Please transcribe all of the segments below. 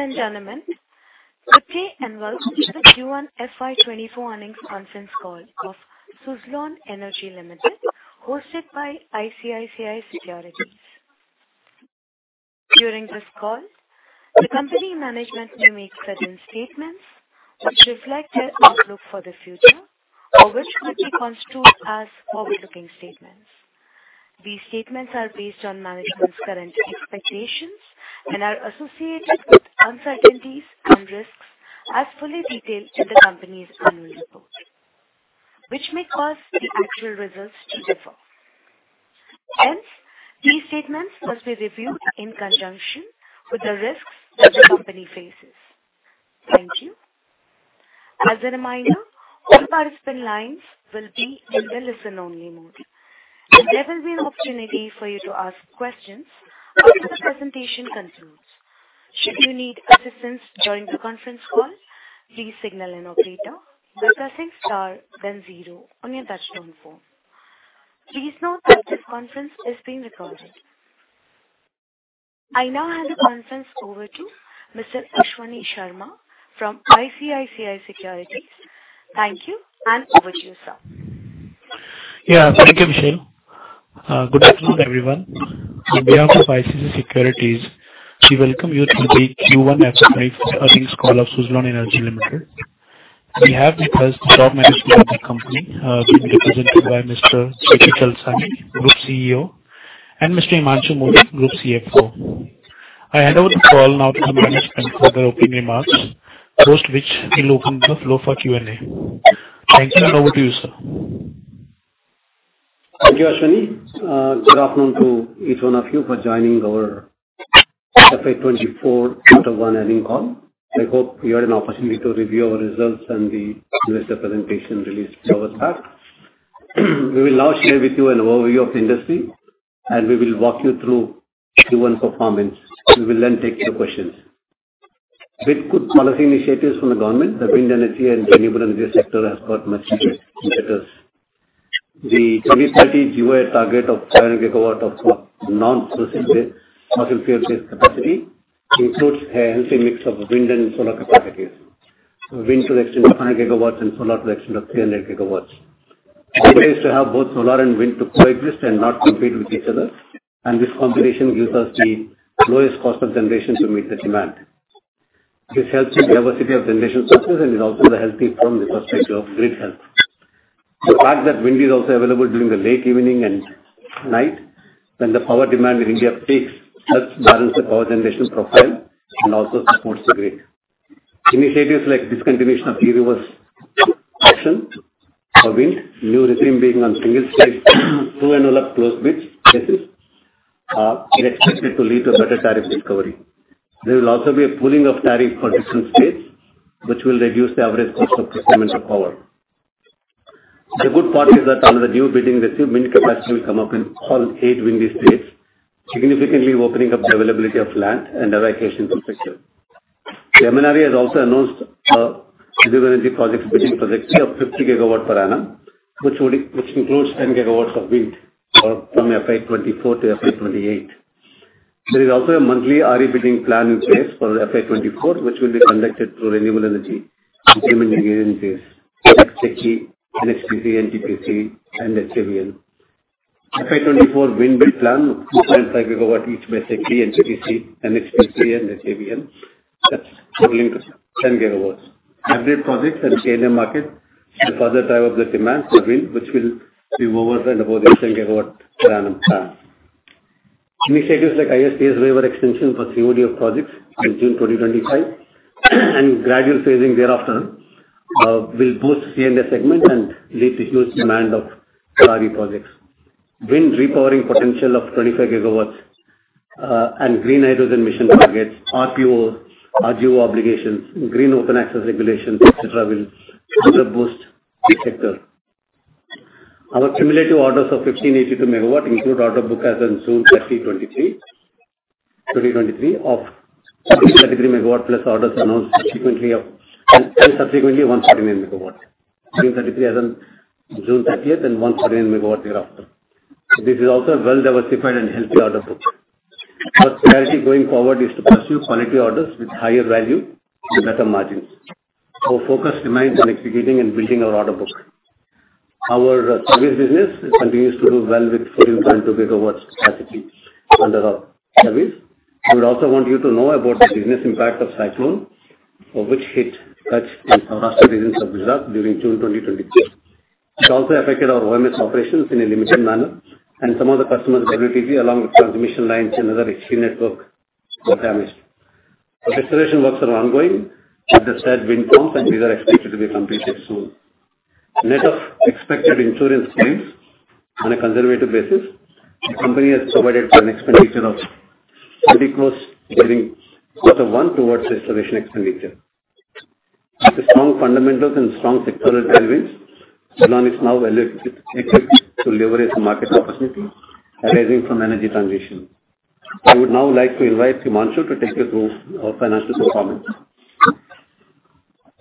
Ladies and gentlemen, good day, and welcome to the Q1 FY 2024 Earnings Conference Call of Suzlon Energy Limited hosted by ICICI Securities. During this call, the company management may make certain statements which reflect their outlook for the future, or which might be construed as forward-looking statements. These statements are based on management's current expectations and are associated with uncertainties and risks as fully detailed in the Company's annual report which may cause the actual results to differ. Hence, these statements must be reviewed in conjunction with the risks that the Company faces. Thank you. As a reminder, all participant lines will be in the listen-only mode, and there will be an opportunity for you to ask questions after the presentation concludes. Should you need assistance during the conference call, please signal an operator by pressing star then zero on your touchtone phone. Please note that this conference is being recorded. I now hand the conference over to Mr. Ashwani Sharma from ICICI Securities. Thank you, and over to you, sir. Yeah. Thank you, Michelle. Good afternoon, everyone. On behalf of ICICI Securities, we welcome you to the Q1 [FY 2024] Earnings Call of Suzlon Energy Limited. We have with us the top management of the Company, represented by Mr. JP Chalasani, Group CEO, and Mr. Himanshu Mody, Group CFO. I hand over the call now to the management for their opening remarks, post which we'll open the floor for Q&A. Thank you. Over to you, sir. Thank you, Ashwani. Good afternoon to each one of you for joining our FY 2024 Quarter one Earnings Call. I hope you had an opportunity to review our results and the investor presentation released [few hours back]. We will now share with you an overview of the industry, and we will walk you through Q1 performance. We will then take your questions. With good policy initiatives from the government, the wind energy and renewable energy sector has got much needed impetus. The 2030 GOI target of 500 gigawatt of non-fossil fuel-based capacity includes a healthy mix of wind and solar capacities; wind to the extent of 500 gigawatts and solar to the extent of 300 gigawatts. Idea is to have both solar and wind to coexist and not compete with each other, and this combination gives us the lowest cost of generation to meet the demand. This helps the diversity of generation sources and is also a healthy from the perspective of grid health. The fact that wind is also available during the late evening and night, when the power demand in India peaks, helps balance the power generation profile and also supports the grid. Initiatives like discontinuation of e-reverse auction for wind, new regime being on single stage, two envelope closed bids basis, are expected to lead to better tariff discovery. There will also be a pooling of tariff for different states, which will reduce the average cost of procurement of power. The good part is that under the new bidding regime, wind capacity will come up in all 8 windy states, significantly opening up the availability of land and evacuation perspective. The MNRE has also announced renewable energy projects bidding capacity of 50 gigawatt per annum, which would -- which includes 10 gigawatts of wind from FY 2024 to FY 2028. There is also a monthly RE bidding plan in place for FY 2024, which will be conducted through renewable energy implementing agencies, like SECI, NHPC, NTPC, and SJVN. FY 2024 wind bid plan, 2.5 gigawatts each by SECI, NTPC, NHPC and SJVN, that's totaling 10 gigawatts. Hybrid projects and C&I market shall further drive up the demand for wind, which will be over and above the 10 gigawatt per annum plan. Initiatives like ISTS waiver extension for COD of projects in June 2025, and gradual phasing thereafter, will boost C&I segment and lead to huge demand of RE projects. Wind repowering potential of 25 gigawatts, and green hydrogen emission targets, RPO, RGO obligations, green open access regulations, et cetera will further boost this sector. Our cumulative orders of 1,582 megawatt include order book as on June 30, 2023, of [1,433] megawatt plus orders announced subsequently 149 megawatt. 1,433 as on June 30th and 149 megawatt thereafter. This is also a well-diversified and healthy order book. Our priority going forward is to pursue quality orders with higher value with better margins. Our focus remains on executing and building our order book. Our service business continues to do well with 14.2 gigawatts capacity under our service. I would also want you to know about the business impact of cyclone which hit Kutch in Saurashtra regions of Gujarat during June 2023. It also affected our OMS operations in a limited manner, and some of the customer's WTG along with transmission lines and other HT network were damaged. The restoration works are ongoing at the said wind farms, and these are expected to be completed soon. Net of expected insurance claims on a conservative basis, the Company has provided for an expenditure of Rs. 20 crore during quarter one towards the restoration expenditure. With strong fundamentals and strong sectoral tailwinds, Suzlon is now well-equipped to leverage the market opportunity arising from energy transition. I would now like to invite Himanshu to take you through our financial performance.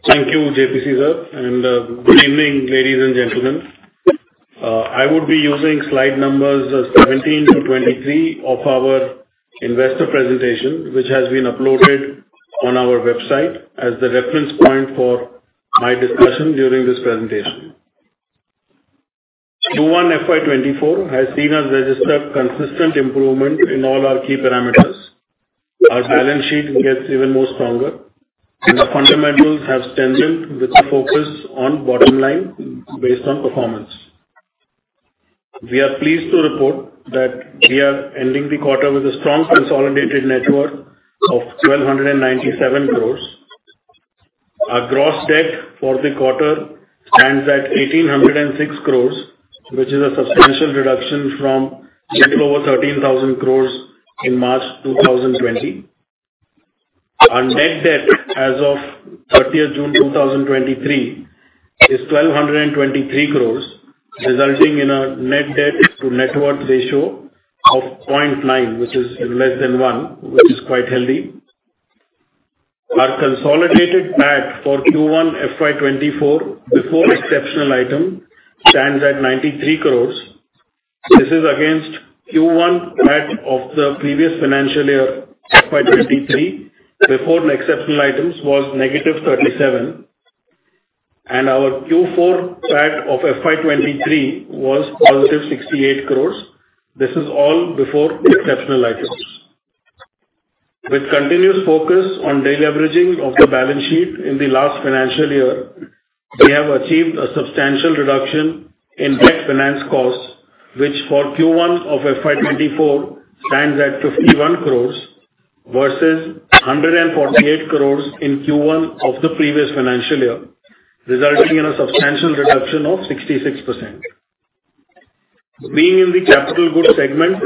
Thank you, JPC sir, and good evening, ladies and gentlemen. I would be using slide numbers 17 to 23 of our investor presentation, which has been uploaded on our website as the reference point for my discussion during this presentation. Q1 FY2024 has seen us register consistent improvement in all our key parameters. Our balance sheet gets even more stronger, our fundamentals have strengthened with a focus on bottomline based on performance. We are pleased to report that we are ending the quarter with a strong consolidated network of 1,297 crore. Our gross debt for the quarter stands at 1,806 crore, which is a substantial reduction from little over 13,000 crore in March 2020. Our net debt as of 30th June 2023 is 1,223 crore, resulting in a net debt to net worth ratio of 0.9, which is less than 1, which is quite healthy. Our consolidated PAT for Q1 FY2024, before exceptional item, stands at 93 crore. This is against Q1 PAT of the previous financial year, FY2023, before exceptional items was -37 crore. And our Q4 PAT of FY2023 was +68 crore. This is all before exceptional items. With continuous focus on de-leveraging of the balance sheet in the last financial year, we have achieved a substantial reduction in net finance costs, which for Q1 of FY2024 stands at 51 crore versus 148 crore in Q1 of the previous financial year, resulting in a substantial reduction of 66%. Being in the capital goods segment,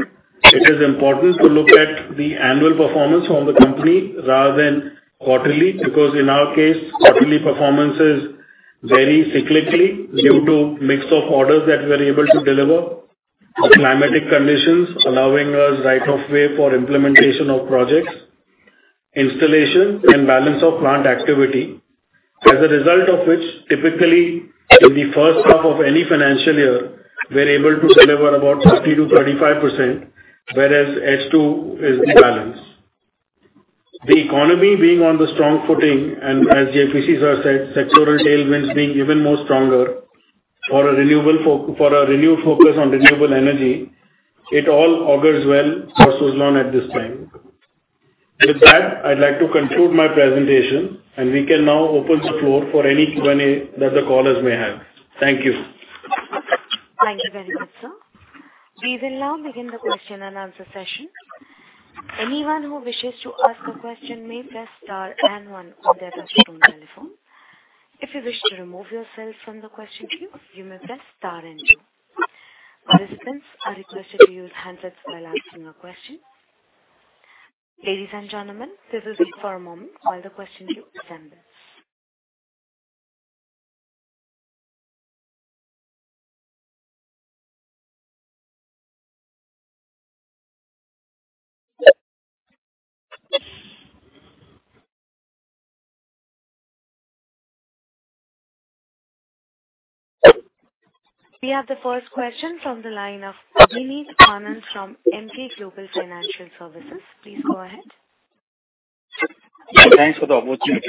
it is important to look at the annual performance of the company rather than quarterly, because in our case, quarterly performances vary cyclically due to mix of orders that we're able to deliver, the climatic conditions allowing us right of way for implementation of projects, installation and balance of plant activity. As a result of which, typically, in the first half of any financial year, we're able to deliver about 30%-35%, whereas H2 is the balance. The economy being on the strong footing, and as JPC sir said, sectoral tailwinds being even more stronger for a renewable -- for a renewed focus on renewable energy, it all augurs well for Suzlon at this time. With that, I'd like to conclude my presentation, and we can now open the floor for any Q&A that the callers may have. Thank you. Thank you very much, sir. We will now begin the question and answer session. Anyone who wishes to ask a question may press star and one on their touchtone telephone. If you wish to remove yourself from the question queue, you may press star and two. Participants are requested to use handsets while asking a question. Ladies and gentlemen, [let's wait] for a moment while the question queue assembles. We have the first question from the line of Abhineet Anand from Emkay Global Financial Services. Please go ahead. Thanks for the opportunity.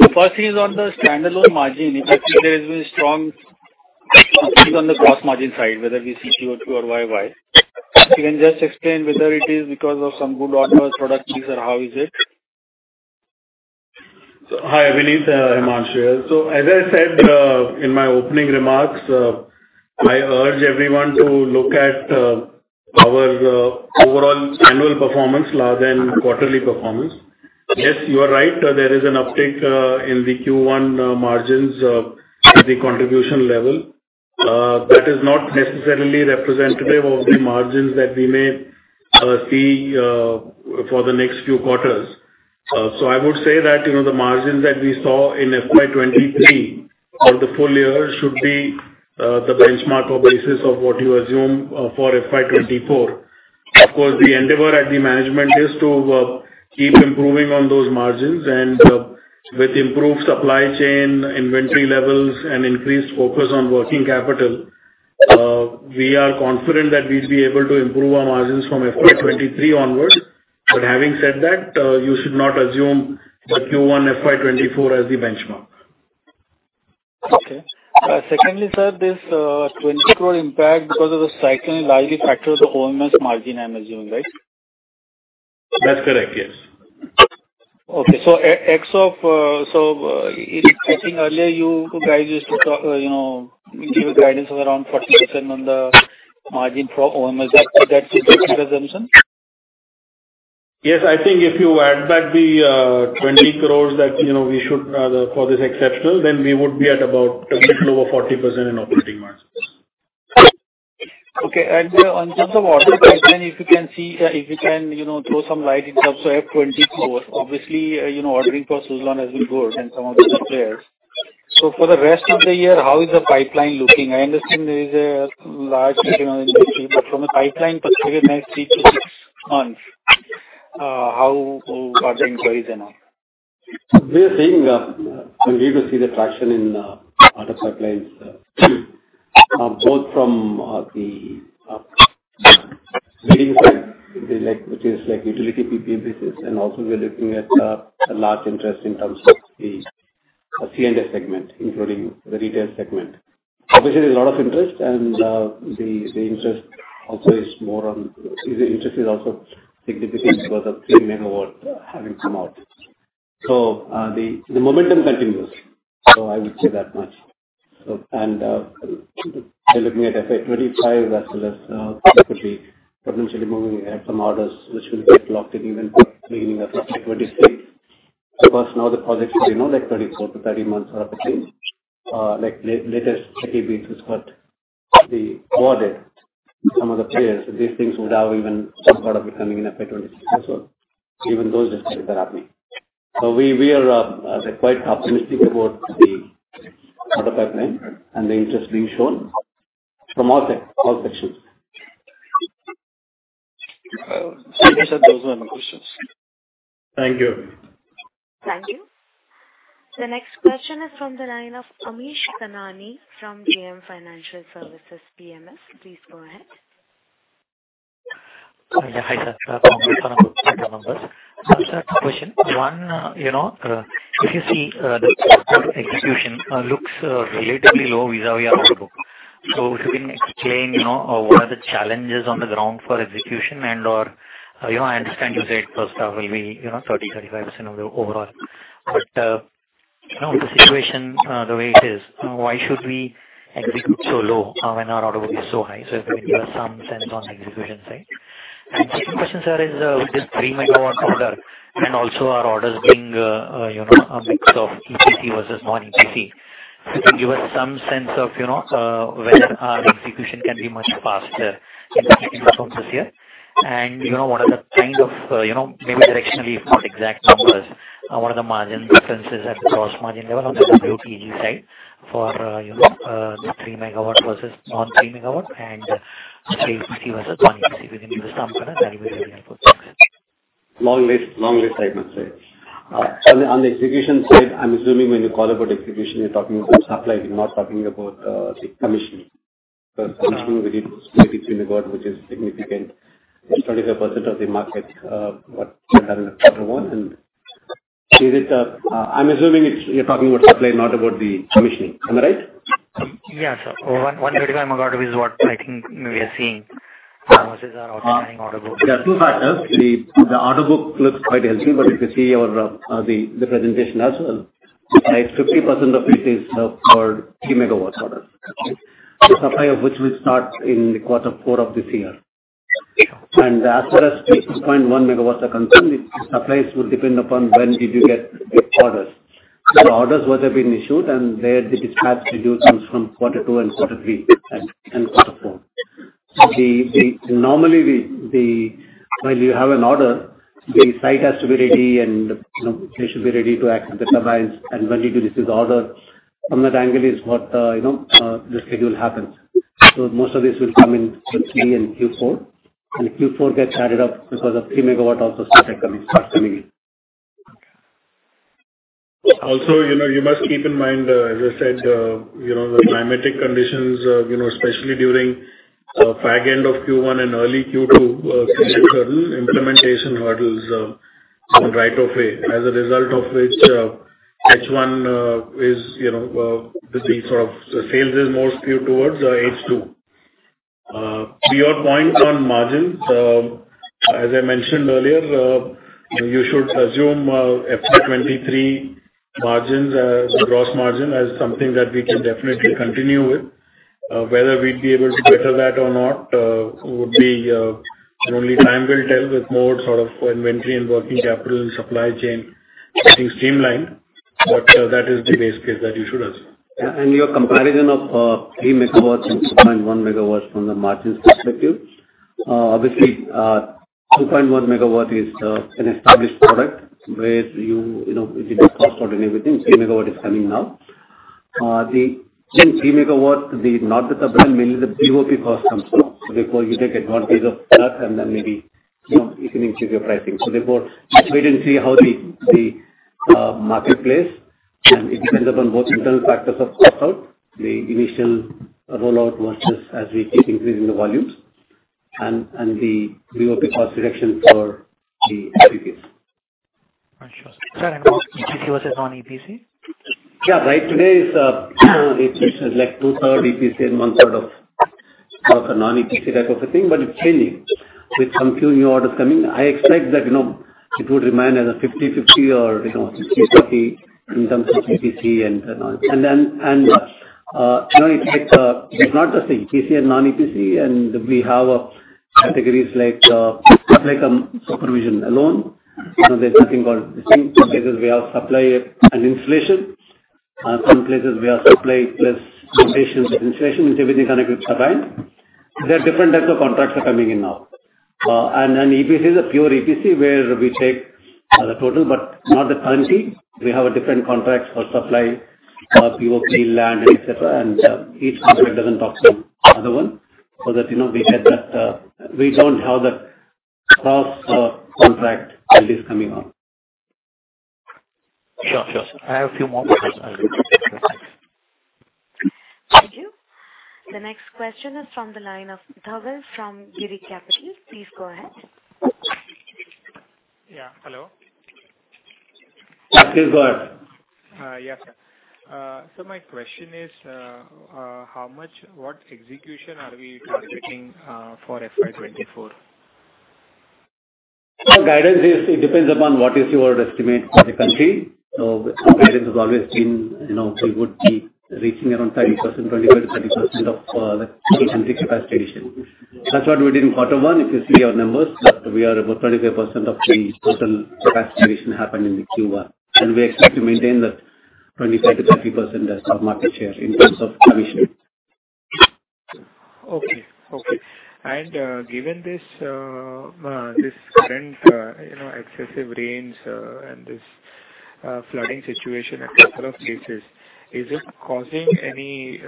The first thing is on the standalone margin. There is a strong uptick on the gross margin side, whether we see QOQ or YOY. You can just explain whether it is because of some good product mix, or how is it? Hi, Abhineet, Himanshu here. As I said, in my opening remarks, I urge everyone to look at our overall annual performance rather than quarterly performance. Yes, you are right. There is an uptick in the Q1 margins at the contribution level. That is not necessarily representative of the margins that we may see for the next few quarters. So, I would say that, you know, the margins that we saw in FY 2023 for the full year should be the benchmark or basis of what you assume for FY 2024. Of course, the endeavor at the management is to keep improving on those margins and with improved supply chain, inventory levels, and increased focus on working capital, we are confident that we'd be able to improve our margins from FY2023 onwards. Having said that, you should not assume the Q1 FY2024 as the benchmark. Okay. Secondly, sir, this 20 crore impact because of the cyclone is largely impacting the OMS margin, I'm assuming, right? That's correct, yes. Okay. I think earlier you guys used to talk, you know, give guidance of around 40% on the margin for OMS. That's a good assumption? I think if you add back the 20 crores that, you know, we should call this exceptional, then we would be at about a little over 40% in operating margins. Okay. And in terms of order pipeline, if you can see, if you can, you know, throw some light in terms of FY 2024, obviously, you know, ordering for Suzlon has been good than some of the players. For the rest of the year, how is the pipeline looking? I understand there is a large, you know, industry, but from a pipeline perspective, next 3-6 months. How are the employees and all? We are saying, we need to see the traction in order pipelines, both from the -- which is like utility IPP business, and also we're looking at a large interest in terms of the C&S segment, including the retail segment. Obviously, there's a lot of interest, and the interest is also significant because of 3 megawatt having come out. The momentum continues, so I would say that much. We're looking at FY 2025, as well as, potentially moving ahead some orders, which will get locked in even beginning of [2026], because now the projects, you know, like 24 months-30 months are up, like latest SECI bid is what [awarded] some of the players, these things would have even some part of it coming in FY 2026 as well, even those are happening. We are quite optimistic about the other pipeline and the interest being shown from all sections. Thank you, sir. Those are my questions. Thank you, Abhineet. Thank you. The next question is from the line of Amish Kanani from JM Financial Services PMS. Please go ahead. Hi, sir. Congrats on a good set of number. So, I have two question. One, you know, if you see, the execution looks relatively low vis-a-vis our order book. If you can explain, you know, what are the challenges on the ground for execution and or, you know, I understand you said first half will be, you know, 30%-35% of the overall. The situation, the way it is, why should we execute so low, when our order book is so high? If you can give us some sense on the execution side. Second question, sir, is, with this 3 megawatt order and also our orders being, you know, a mix of EPC versus non-EPC, if you can give us some sense of, you know, whether our execution can be much faster in the second half of this year. And, you know, what are the kind of, you know, maybe directionally, if not exact numbers, what are the margin differences at the gross margin level on the WTG side for, you know, the 3 MW versus non-3 MW and EPC versus non-EPC? If you can give us some color, that will be helpful. Long list, long list, I could say. On the execution side, I'm assuming when you call about execution, you're talking about supply, you're not talking about the commissioning. Because commissioning, we did maybe 3 megawatt, which is significant. It's 25% of the market, what we have in quarter one. [With it], I'm assuming you're talking about supply, not about the commissioning. Am I right? Yes, sir. 135 megawatt is what I think we are seeing, versus our [outstanding] order book. There are two factors. The order book looks quite healthy, but if you see our, the presentation as well, right, 50% of it is for 3 megawatts orders. The supply of which will start in the quarter four of this year. As far as 2.1 megawatts are concerned, the supplies will depend upon when did you get the orders. The orders which have been issued and their dispatch schedule comes from quarter two and quarter three, and quarter four. Normally, when you have an order, the site has to be ready and, you know, you should be ready to accept the supplies, and when you do this order, from that angle is what, you know, the schedule happens. Most of this will come in Q3 and Q4, and Q4 gets added up because of 3 megawatt also start coming in. You know, you must keep in mind, as I said, you know, the climatic conditions, you know, especially during fag end of Q1 and early Q2, implementation hurdles on right of way, as a result of which, H1 is, you know, the sort of sales is more skewed towards H2. To your point on margins, as I mentioned earlier, you should assume FY2023 margins as gross margin as something that we can definitely continue with. Whether we'd be able to better that or not, would be only time will tell with more sort of inventory and working capital and supply chain getting streamlined. That is the base case that you should assume. Your comparison of 3 megawatts and 2.1 megawatts from the margins perspective, obviously, 2.1 megawatt is an established product where you know, you do cost and everything. 3 megawatt is coming now. In 3 megawatt, [not the turbine], mainly the BOP cost comes down. Therefore, you take advantage of that, and then maybe, you know, you can increase your pricing. Therefore, let's wait and see how the market plays, and it depends upon both internal factors of cost-out, the initial rollout versus as we keep increasing the volumes and the BOP cost reduction for the IPPs. Right. Sure. Sir, and also EPC versus non-EPC? Yeah, right today is, it's like 2/3 EPC and 1/3 of a non-EPC type of a thing, but it's changing. With some few new orders coming, I expect that, you know, it would remain as a 50/50 or, you know, 60/40 in terms of EPC and non. Then, and, you know, it's not just the EPC and non-EPC, and we have categories like a supervision alone. You know, there's something called, in some cases, we have supply and installation. Some places we have supply plus foundation installation, [which everything connect with turbine]. There are different types of contracts are coming in now. And EPC is a pure EPC, where we take the total, but not the [turnkey]. We have a different contract for supply, for POC, land, et cetera, and each contract doesn't talk to the other one. That, you know, we said that, we don't have that cross contract LDs coming on. Sure, sir. I have a few more questions. Thank you. The next question is from the line of Dhaval from Girik Capital. Please go ahead. Yeah. Hello? Yes, go ahead. Yes, sir. My question is, what execution are we targeting for FY 2024? Guidance is, it depends upon what is your estimate for the country. Our guidance has always been, you know, we would be reaching around 30%, 25%-30% of the country capacity addition. That's what we did in Q1. If you see our numbers, we are about 25% of the total capacity happen in the Q1, and we expect to maintain that 25%-30% of market share in terms of commission. Okay. Okay. Given this current, you know, excessive rains, and this flooding situation in a couple of cases, is it causing any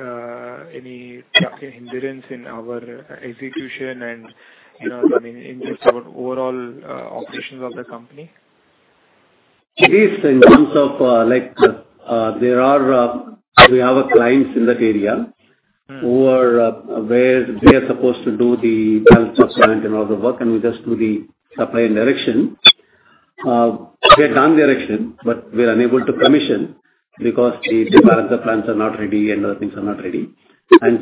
hindrance in our execution and, you know, I mean, in the overall operations of the Company? It is in terms of, like, there are -- we have our clients in that area. Mm. who are, where they are supposed to do the balance of plant and all the work. We just do the supply and erection. We have done the erection, but we are unable to commission because the plants are not ready and other things are not ready.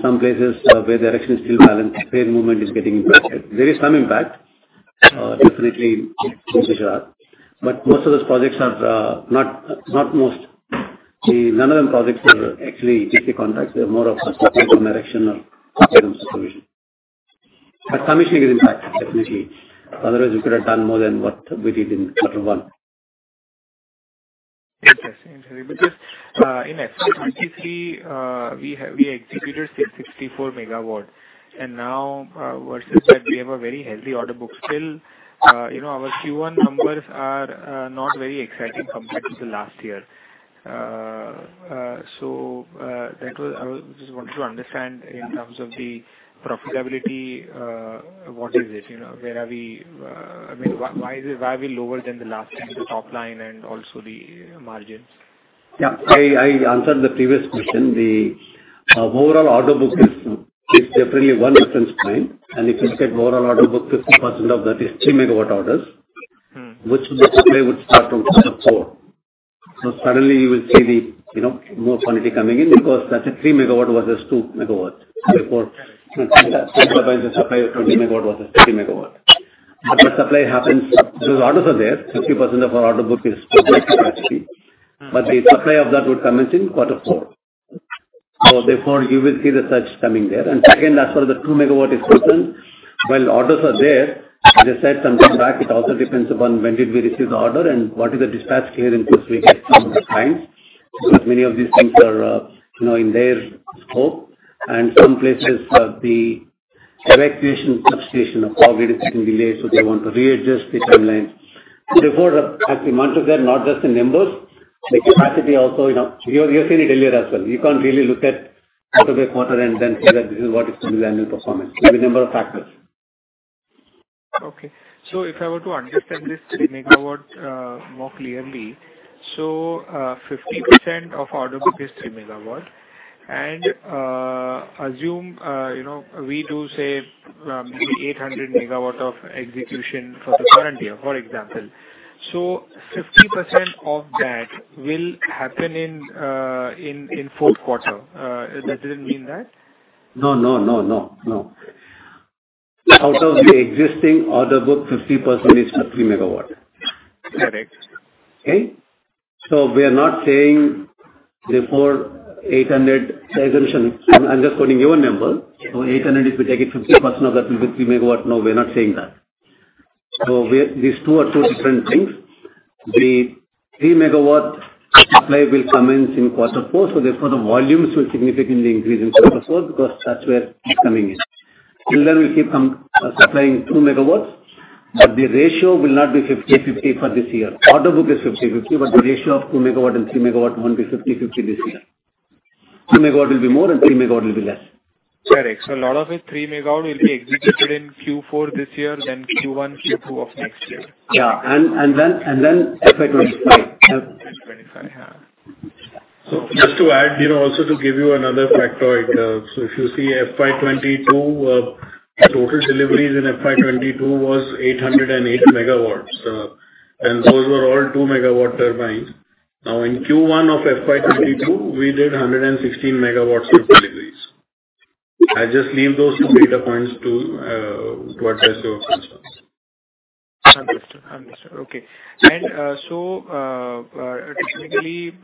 Some places, where the erection is still balanced, fair movement is getting impacted. There is some impact, definitely in [Gujarat]. Most of those projects are, none of them projects are actually EPC contracts. They are more of a supply-cum-erection or supply-cum-supervision. Commissioning is impacted, definitely. Otherwise, we could have done more than what we did in quarter one. Interesting. In FY2023, we executed say 64 MW, and now, versus that, we have a very healthy order book. Still, you know, our Q1 numbers are not very exciting compared to the last year. So that was -- I just wanted to understand in terms of the profitability, what is it? You know, where are we, I mean, why is it, why are we lower than the last year, the topline and also the margins? Yeah. I answered the previous question. The overall order book is definitely one reference point, and if you look at overall order book, 50% of that is 3 megawatt orders, which the supply would start from quarter four. Suddenly you will see the, you know, more quantity coming in because that's a 3 megawatt versus 2 megawatt. The supply of 20 megawatt versus 30 megawatt. The supply happens, the orders are there. 50% of our order book is capacity, but the supply of that would commence in quarter four. Therefore you will see the surge coming there. Second, as far as the 2 megawatt is concerned, while orders are there, as I said, some time back, it also depends upon when did we receive the order and what is the dispatch clearance which we get from the clients. Because many of these things are, you know, in their scope, and some places the evacuation substation of Power Grid is getting delayed, so they want to readjust the timeline. Therefore, as we mentioned, not just the numbers, the capacity also, you know, you have seen it earlier as well. You can't really look at quarte-by-quarter and then say that this is what is going to be annual performance. There will be a number of factors. If I were to understand this 3 megawatt more clearly, so, 50% of order book is 3 megawatt. And assume, you know, we do, say, 800 megawatt of execution for the current year, for example. so 50% of that will happen in fourth quarter. That didn't mean that? No, no, no. Out of the existing order book, 50% is the 3 megawatt. Correct. Okay? We are not saying therefore 800 [assumption]. I'm just quoting your number. 800, if you take it 50% of that will be 3 megawatt. No, we're not saying that. These two are two different things. The 3 megawatt supply will commence in quarter four, so therefore, the volumes will significantly increase in quarter four, because that's where it's coming in. Still then we'll keep on supplying 2 megawatts, but the ratio will not be 50/50 for this year. Order book is 50/50, but the ratio of 2 megawatt and 3 megawatt won't be 50/50 this year. 2 megawatt will be more and 3 megawatt will be less. Correct. A lot of it, 3 megawatt will be executed in Q4 this year, then Q1, Q2 of next year. Yeah, FY 2025. FY 2025, yeah. Just to add, you know, also to give you another factoid, if you see FY 2022, total deliveries in FY 2022 was 808 megawatts, and those were all 2-megawatt turbines. Now, in Q1 of FY 2022, we did 116 megawatts of deliveries. I just leave those two data points to address your concerns. Understood. Understood. Okay. And so, [traditionally],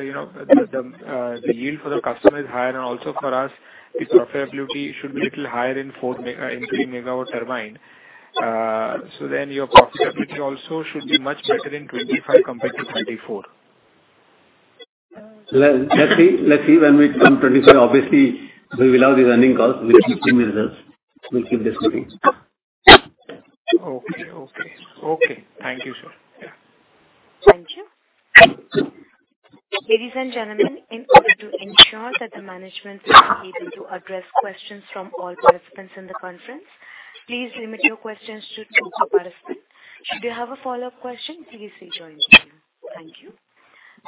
you know, the yield for the customer is higher, and also for us, the profitability should be little higher in 4 mega -- in 3 megawatt turbine. And then your profitability also should be much better in 2025 compared to 2024? Well, let's see when we come to 2025, obviously, we will have the earnings calls, we give keep seeing the results, we'll keep [discussing]. Okay, thank you, sir. Yeah. Thank you. Ladies and gentlemen, in order to ensure that the management is able to address questions from all participants in the conference, please limit your questions to two per participant. Should you have a follow-up question, please rejoin the queue. Thank you.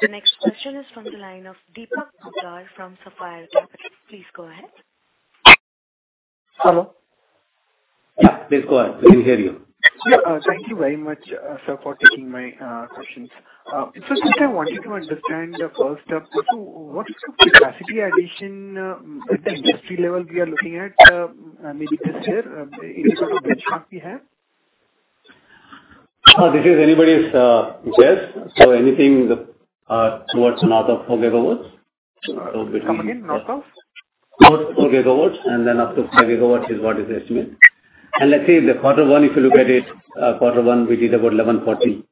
The next question is from the line of Deepak Poddar from Sapphire Capital. Please go ahead. Hello? Yeah, please go ahead. We can hear you. Thank you very much, sir, for taking my questions. First, I wanted to understand, first up, what is the capacity addition at the industry level we are looking at, maybe this year, any sort of benchmark we have? This is anybody's guess. Anything towards north of 4 gigawatts. Come again, north of? North 4 gigawatts, then up to 5 gigawatts is what is the estimate. Let's say the quarter one, if you look at it, quarter one, we did about 1,140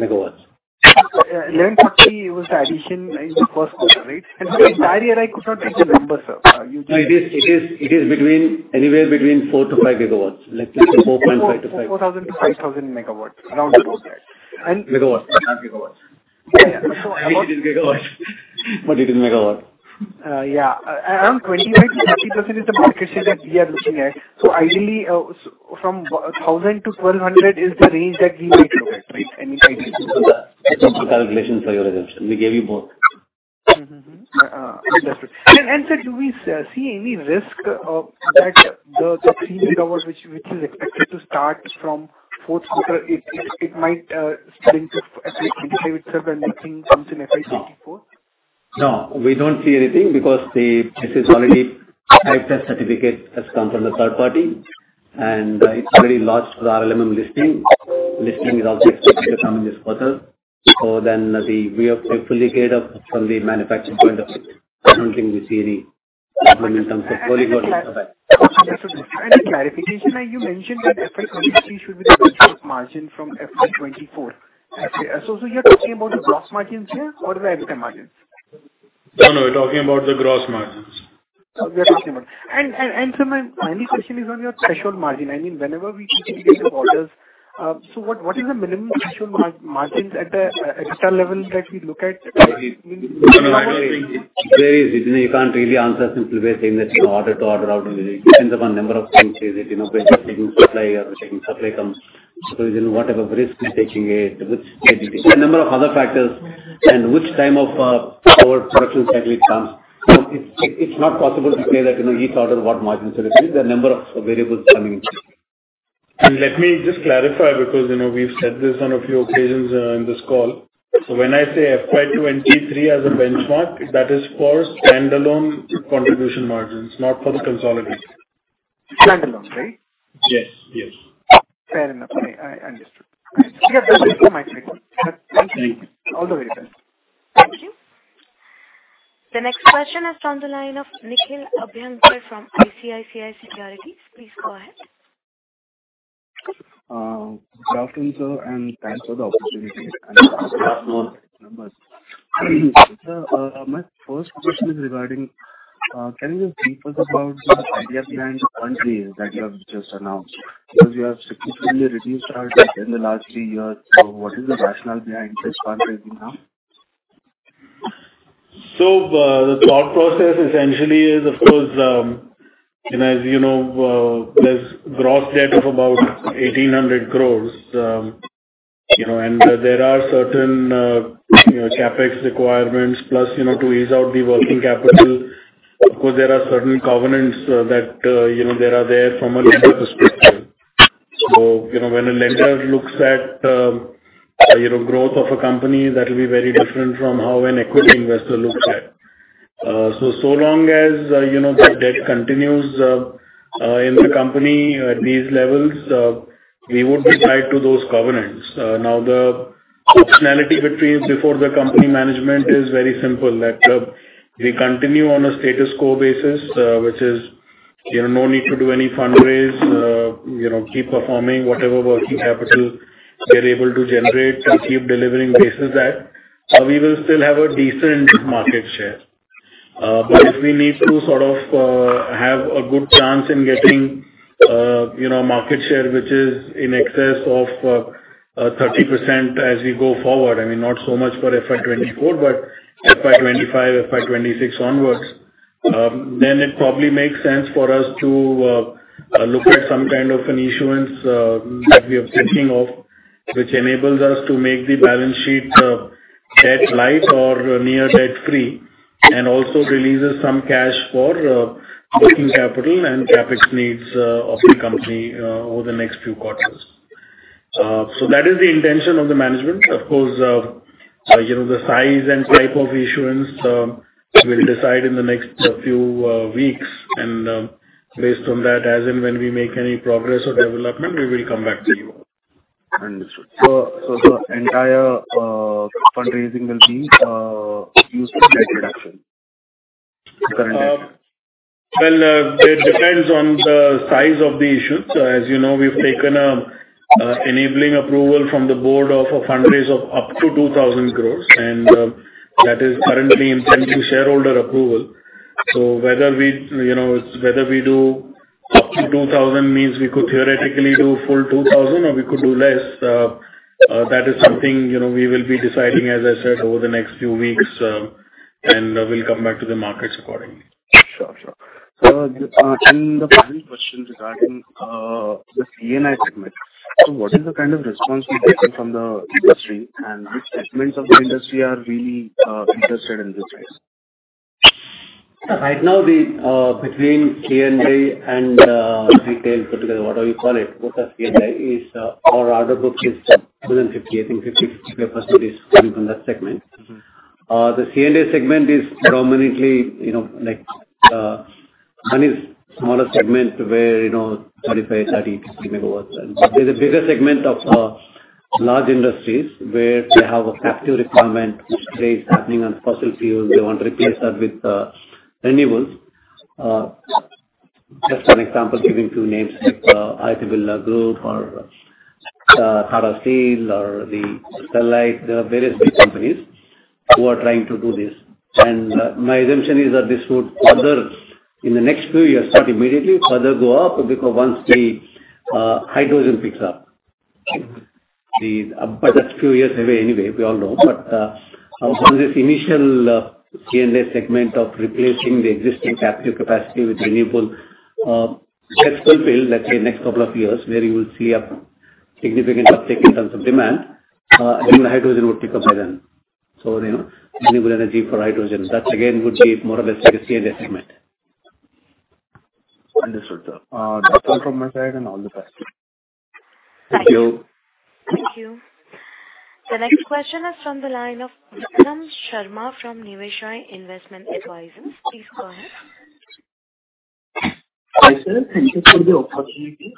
megawatts. 1,140 was the addition in the first quarter, right? Sorry, I could not read the number, sir. No, it is between, anywhere between 4 gigawatts to 5 gigawatts. Let's say 4.5 to 5. 4,000 megawatts-5,000 megawatts, around those. Megawatts, not gigawatts. It is gigawatts, but it is megawatts. Yeah, around 25%-30% is the market share that we are looking at. Ideally, from 1,000-1,200 is the range that we might look at, right? It's a simple calculation for your assumption. We gave you both. Understood. Sir, do we see any risk of that, the 3 gigawatt which is expected to start from fourth quarter, it might spill into FY 2025 itself and nothing comes in FY 2024? No, we don't see anything because this is already type test certificate has come from the third party, and it's already launched to the RLMM listing. Listing is also expected to come in this quarter. We are fully geared up from the manufacturing point of view. I don't think we see any improvement in terms of... A clarification, you mentioned that FY 2023 should be the margin from FY 2024. You're talking about the gross margins here or the EBITDA margins? No, no, we're talking about the gross margins. We are talking about. And sir, my final question is on your threshold margin. I mean, whenever we typically get the orders, what is the minimum threshold margins at the extra level that we look at? No, no. It varies, you can't really answer simply by saying that, you know, order-to-order. It depends upon number of things. Is it, you know, taking supply or taking supply comes? You know, whatever risk we're taking is, which stage it is, and a number of other factors, and which time of our production cycle it comes. It's not possible to say that, you know, each order, what margins are. There are number of variables coming in. Let me just clarify, because, you know, we've said this on a few occasions, in this call. When I say FY 2023 as a benchmark, that is for standalone contribution margins, not for the consolidated. Standalones, right? Yes. Fair enough. I understood. That is it from my side.. Thank you. All the very best. Thank you. The next question is on the line of Nikhil Abhyankar from ICICI Securities. Please go ahead. Good afternoon, sir, and thanks for the opportunity. Sir, my first question is regarding, can you just brief us about the idea behind the country that you have just announced? You have significantly reduced our debt in the last three years. What is the rationale behind this fundraising now? So, the thought process essentially is, of course, as you know, there's gross debt of about 1,800 crore. You know, there are certain, you know, CapEx requirements, plus, you know, to ease out the working capital. Of course, there are certain covenants that, you know, there are there from a lender perspective. You know, when a lender looks at, you know, growth of a company, that will be very different from how an equity investor looks at. So long as, you know, the debt continues in the company at these levels, we would be tied to those covenants. Now, the optionality between before the company management is very simple, that, we continue on a status quo basis, which is, you know, no need to do any fundraise, you know, keep performing whatever working capital they're able to generate and keep delivering basis at, we will still have a decent market share. If we need to sort of, have a good chance in getting, you know, market share, which is in excess of 30% as we go forward, I mean, not so much for FY 2024, but FY 2025, FY 2026 onwards, then it probably makes sense for us to look at some kind of an issuance that we are thinking of, which enables us to make the balance sheet debt light or near debt-free, and also releases some cash for working capital and CapEx needs of the company over the next few quarters. So that is the intention of the management. Of course, you know, the size and type of issuance, we'll decide in the next few weeks. And based on that, as and when we make any progress or development, we will come back to you. Understood. So, the entire fundraising will be used for debt reduction? Well, it depends on the size of the [issuance]. As you know, we've taken an enabling approval from the Board of a fundraise of up to 2,000 crore, and that is currently pending shareholder approval. Whether we, you know, whether we do up to 2,000 means we could theoretically do full 2,000 or we could do less. That is something, you know, we will be deciding, as I said, over the next few weeks, and we'll come back to the markets accordingly. Sure, sure. The final question regarding the C&I segment. What is the kind of response we're getting from the industry, and which segments of the industry are really interested in this space? Right now, the -- between C&I and retail, put together, whatever you call it, both are C&I, is our order book is more than 50. I think 50% is coming from that segment. Mm-hmm. The C&I segment is predominantly one smaller segment where 35 megawatts-30 megawatts. There's a bigger segment of large industries where they have a captive requirement, which today is happening on fossil fuels. They want to replace that with renewables. Just an example, giving two names, Aditya Birla Group or Tata Steel or the Sterlite. There are various big companies who are trying to do this, and my assumption is that this would further in the next few years, not immediately, further go up, because once the hydrogen picks up. That's a few years away anyway, we all know. But from this initial C&I segment of replacing the existing captive capacity with renewable gets fulfilled, let's say next couple of years, where you will see a significant uptick in terms of demand, then the hydrogen would pick up by then. You know, renewable energy for hydrogen, thats again, would be more or less like a C&I segment. Understood, sir. That's all from my side, and all the best. Thank you. Thank you. The next question is from the line of Vikram Sharma from Niveshaay Investment Advisors. Please go ahead. Hi, sir. Thank you for the opportunity.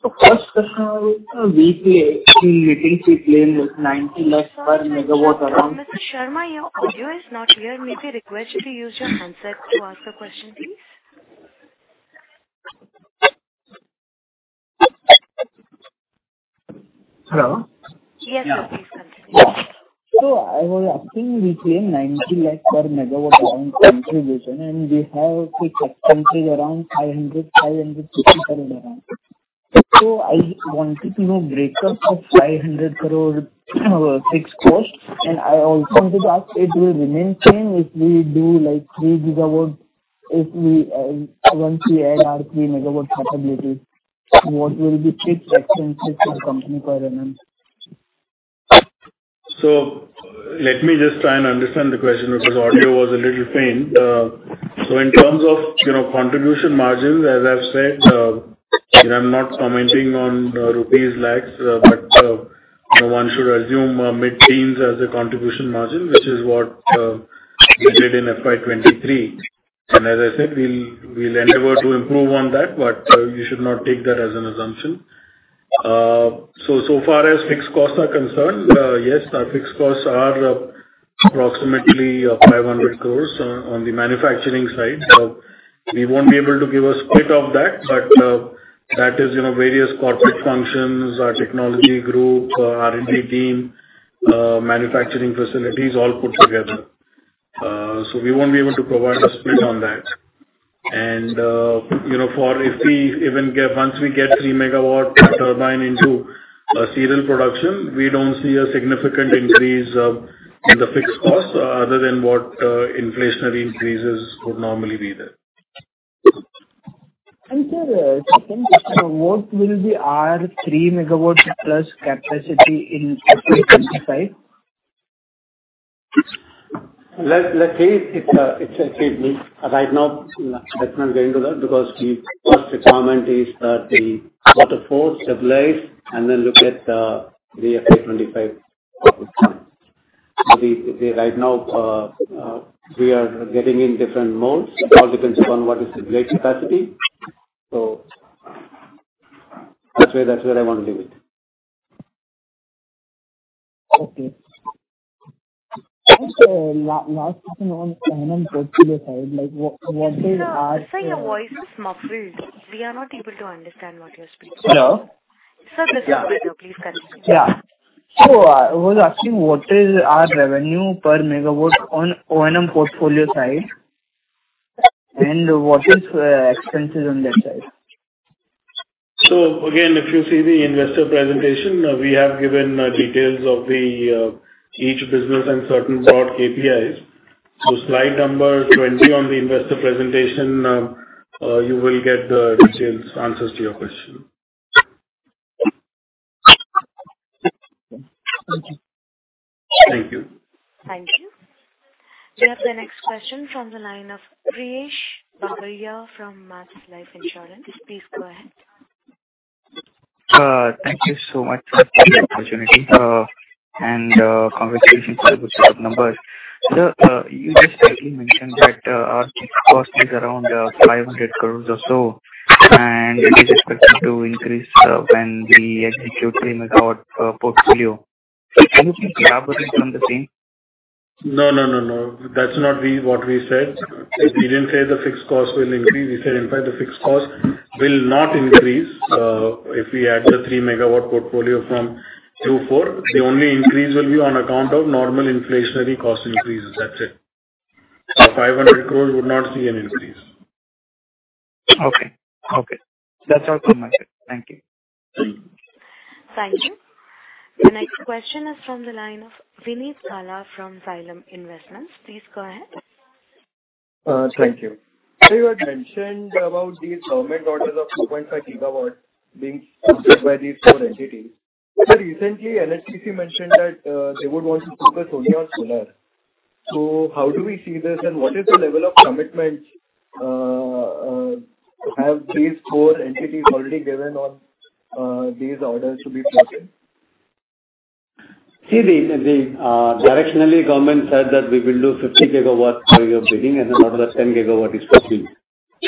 First, we play with 90 lakhs per megawatt around... Mr. Sharma, your audio is not clear. May I request you to use your handset to ask the question, please? Hello? Yes, sir. Please continue. I was asking, we play 90 lakhs per megawatt around contribution, and we have to contribute around 500, 560 around. I wanted to know breakup of 500 crore fixed cost and I also wanted to ask, it will remain same if we do, like, 3 gigawatts, if we -- once we add our 3 megawatt capabilities, what will be fixed expenses for the company per annum? Let me just try and understand the question, because audio was a little faint. In terms of, you know, contribution margins, as I've said, I'm not commenting on rupees, lakhs, but one should assume mid-teens as a contribution margin, which is what we did in FY2023. As I said, we'll endeavor to improve on that, but you should not take that as an assumption. So far as fixed costs are concerned, yes, our fixed costs are approximately 500 crores on the manufacturing side. We won't be able to give a split of that, but that is, you know, various corporate functions, our technology group, R&D team, manufacturing facilities all put together. So, we won't be able to provide a split on that. You know, for if we even once we get 3 megawatt turbine into a serial production, we don't see a significant increase in the fixed costs, other than what inflationary increases would normally be there. Sir, second question, what will be our 3 megawatt plus capacity in FY 2025? Let's see. It's actually -- right now, let's not get into that, because the first requirement is that the waterfalls stabilize and then look at the FY 2025. The-- right now, we are getting in different modes. It all depends upon what is the blade capacity. So I'd say that's where I want to leave it. Okay. Last question onO&M portfolio side, like, what is our... Sir, your voice is muffled. We are not able to understand what you're speaking. Hello? Sir, this is [bit okay]. Please continue. Yeah. I was asking, what is our revenue per megawatt on O&M portfolio side, and what is expenses on that side? Again, if you see the investor presentation, we have given details of the each business and certain broad KPIs. Slide number 20 on the investor presentation, you will get the details, answers to your question. Thank you. Thank you. Thank you. We have the next question from the line of Priyesh Babariya from Max Life Insurance. Please go ahead. Thank you so much for the opportunity, congratulations on the good set of numbers. Sir, you just mentioned that our cost is around 500 crores or so, and it is expected to increase when we execute 3 megawatt portfolio. Are you still collaborating on the same? No, no, no, that's not we -- what we said. We didn't say the fixed cost will increase. We said, in fact, the fixed cost will not increase, if we add the 3 megawatt portfolio from Q4, the only increase will be on account of normal inflationary cost increases. That's it. 500 crores would not see an increase. Okay. Okay, that's all from my side. Thank you. Thank you. The next question is from the line of Vineet Gala from Xylem Investments. Please go ahead. Thank you. You had mentioned about these government orders of 2.5 gigawatts being by these four entities. Sir, recently, NHPC mentioned that, they would want to focus only on solar. How do we see this, and what is the level of commitment, have these four entities already given on, these orders to be [floated]? See, the directionally, government said that we will do 50 gigawatts per year beginning, and another 10 gigawatt is possible.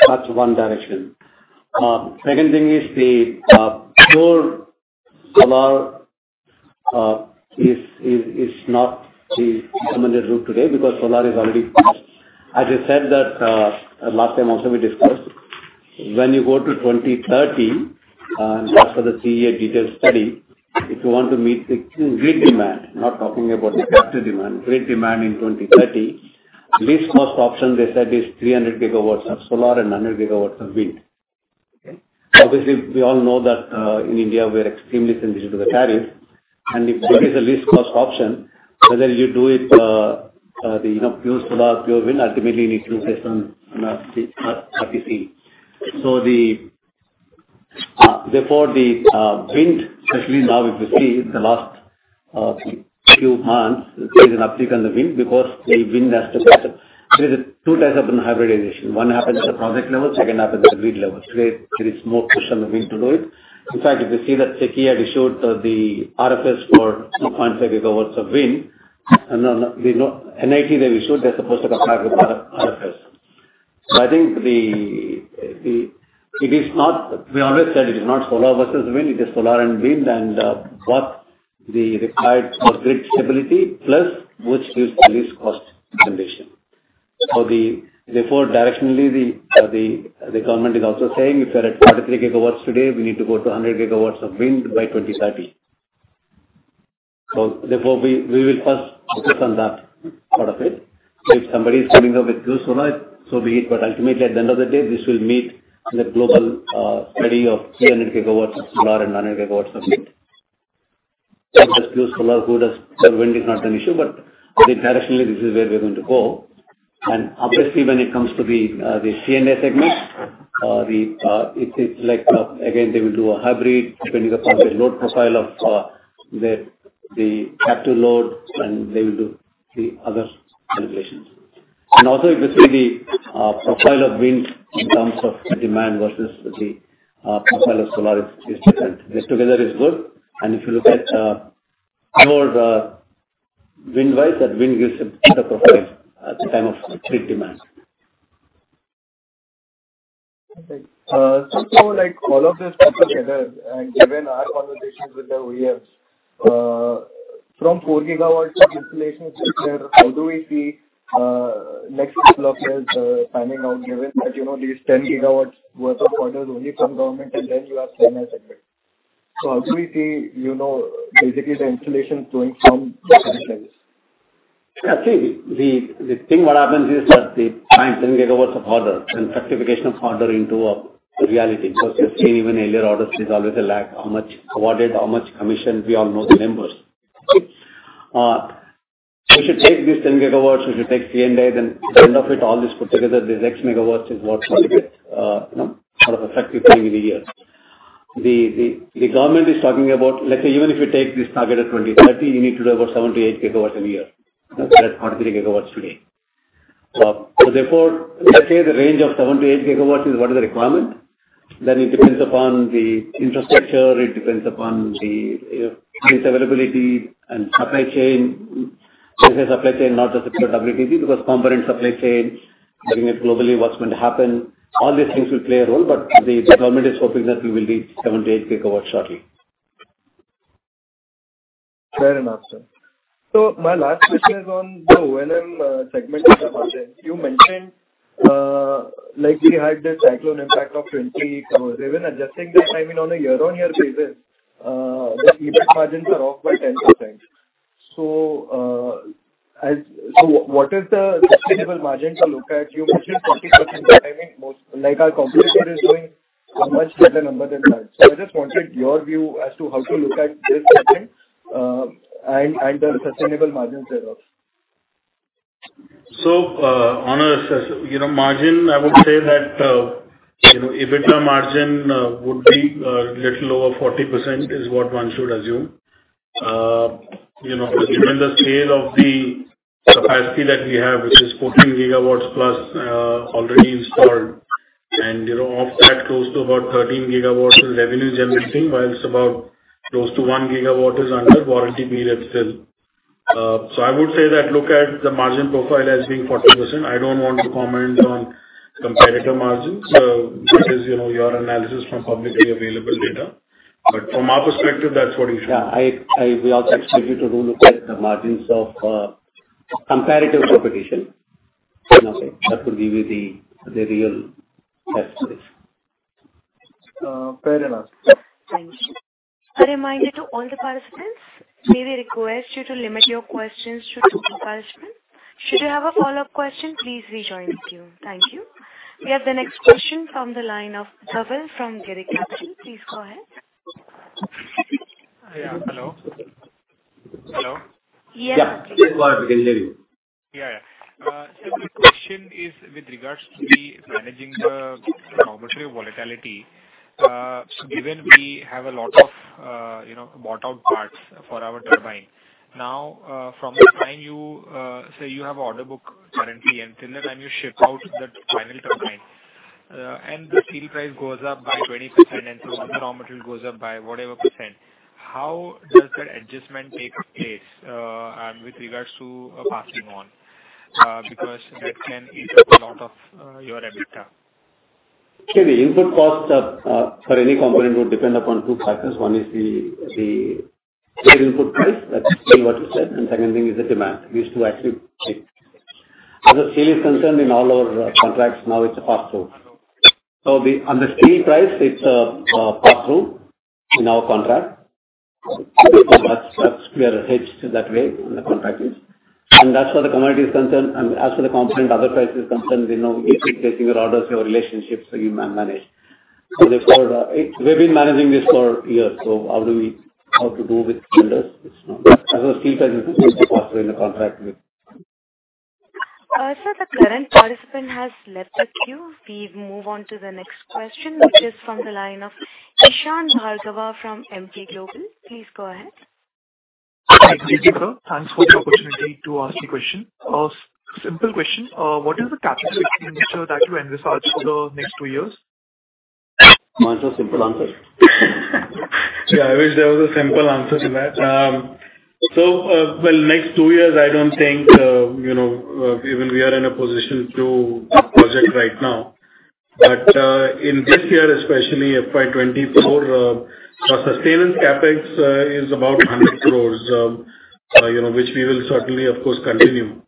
That's one direction. Second thing is the pure solar is not the recommended route today because solar is already passed. As I said, that last time also we discussed, when you go to 2030, and that's for the 3-year detailed study, if you want to meet the grid demand, not talking about the captive demand, grid demand in 2030, least cost option they said is 300 gigawatts of solar and 100 gigawatts of wind. Okay? Obviously, we all know that in India, we are extremely sensitive to the tariff, and if that is the least cost option, whether you do it, you know, pure solar, pure wind, ultimately it needs to based on RTC. Therefore, the wind, especially now, if you see the last few months, there is an uptick on the wind because the wind has to catch up. There is two types of hybridization. One happens at the project level, second happens at the grid level. Today, there is more push on the wind to do it. In fact, if you see that SECI had issued the RFS for 2.5 GW of wind, and then the NIT they issued, they're supposed to contract with RFS. I think we always said it is not solar versus wind, it is solar and wind, and what the required for grid stability, plus which gives the least cost condition. So the -- before directionally the government is also saying if we're at 43 gigawatts today, we need to go to 100 gigawatts of wind by 2030. Therefore, we will first focus on that part of it. If somebody is coming up with pure solar, so be it, but ultimately, at the end of the day, this will meet the global study of 300 gigawatts of solar and 900 gigawatts of wind. Who does pure solar, who does pure wind is not an issue, but directionally, this is where we're going to go. Obviously, when it comes to the C&I segment, it's like again, they will do a hybrid, depending upon the load profile of the capital load, and they will do the other calculations If you see the profile of wind in terms of demand versus the profile of solar is different. This together is good, and if you look at more wind wise, that wind gives a better profile at the time of peak demand. Okay. All of this together, given our conversations with the OEMs, from 4 gigawatts of installation sector, how do we see next couple of years panning out, given that these 10 gigawatts worth of orders only from government, and then you have C&I segment. How do we see the installations going from current levels? The thing what happens is that the 10 gigawatts of orders, and certification of order into a reality, because you've seen even earlier orders, there's always a lag, how much awarded, how much commissioned, we all know the numbers. We should take these 10 gigawatts, we should take C&I, then the end of it, all this put together, this X megawatts is what we get, you know, out of effective thing in a year. The government is talking about. Let's say, even if you take this target of 2030, you need to do about 7 gigawatts-8 gigawatts a year. That's 43 gigawatts today. Therefore, let's say the range of 7 gigawatts-8 gigawatts is what is the requirement. It depends upon the infrastructure, it depends upon the, you know, availability and supply chain. Let's say supply chain, not just WTG, because component supply chain, bringing it globally, what's going to happen? All these things will play a role, but the government is hoping that we will reach 7 gigawatt-8 gigawatt shortly. Fair enough, sir. My last question is on the O&M segment of the market. You mentioned, like we had the cyclone impact of 20 crore. Even adjusting the timing on a year-on-year basis, the EBIT margins are off by 10%. So, what is the sustainable margin to look at? You mentioned 40%, but I think most, like, our competitor is doing a much better number than that. I just wanted your view as to how to look at this margin and the sustainable margins thereof. So, on a, you know, margin, I would say that, you know, EBITDA margin, would be little over 40% is what one should assume. you know, given the scale of the capacity that we have, which is 14 gigawatts plus, already installed, and, you know, of that, close to about 13 gigawatts is revenue generating, whilst about close to 1 gigawatt is under warranty period still. So, I would say that look at the margin profile as being 40%. I don't want to comment on competitor margins. that is, you know, your analysis from publicly available data, but from our perspective, that's what you should. Yeah, I will also expect you to do look at the margins of comparative competition. Okay. That would give you the real test for this. Fair enough. Thanks. A reminder to all the participants, we request you to limit your questions to 2 participants. Should you have a follow-up question, please rejoin the queue. Thank you. We have the next question from the line of Dhaval from Girik Capital. Please go ahead. Hi. Yeah, hello? Hello. Yes. Yeah. Yes, Dhaval, we can hear you. Yeah, yeah. My question is with regards to the managing the raw material volatility, given we have a lot of, you know, bought out parts for our turbine. Now, from the time you say you have order book currently and till the time you ship out that final turbine, the steel price goes up by 20% the raw material goes up by whatever percent, how does that adjustment take place with regards to passing on? That can eat up a lot of your EBITDA. Okay, the input cost for any component would depend upon two factors. One is the input price, that's exactly what you said, and second thing is the demand. These two actually take. As a sale is concerned, in all our contracts now, it's a pass-through. The on the steel price, it's a pass-through in our contract. That's where we are hedged that way, and the contract is. That's where the commodity is concerned, and as for the component, other price is concerned, you know, if you're placing your orders, your relationships, so you manage. Therefore, We've been managing this for years, so how do we do with [vendors]? As the steel prices increase,, it's a pass-through in the contract with. Sir, the current participant has left the queue. We move on to the next question, which is from the line of Eshan Bhargava from Emkay Global. Please go ahead. Thanks for the opportunity to ask the question. Simple question. What is the CapEx that you envisage for the next two years? Mine is a simple answer. Yeah, I wish there was a simple answer to that. well, next two years, I don't think, you know, even we are in a position to project right now. In this year, especially FY 2024, our sustenance CapEx is about 100 crores, you know, which we will certainly, of course, continue.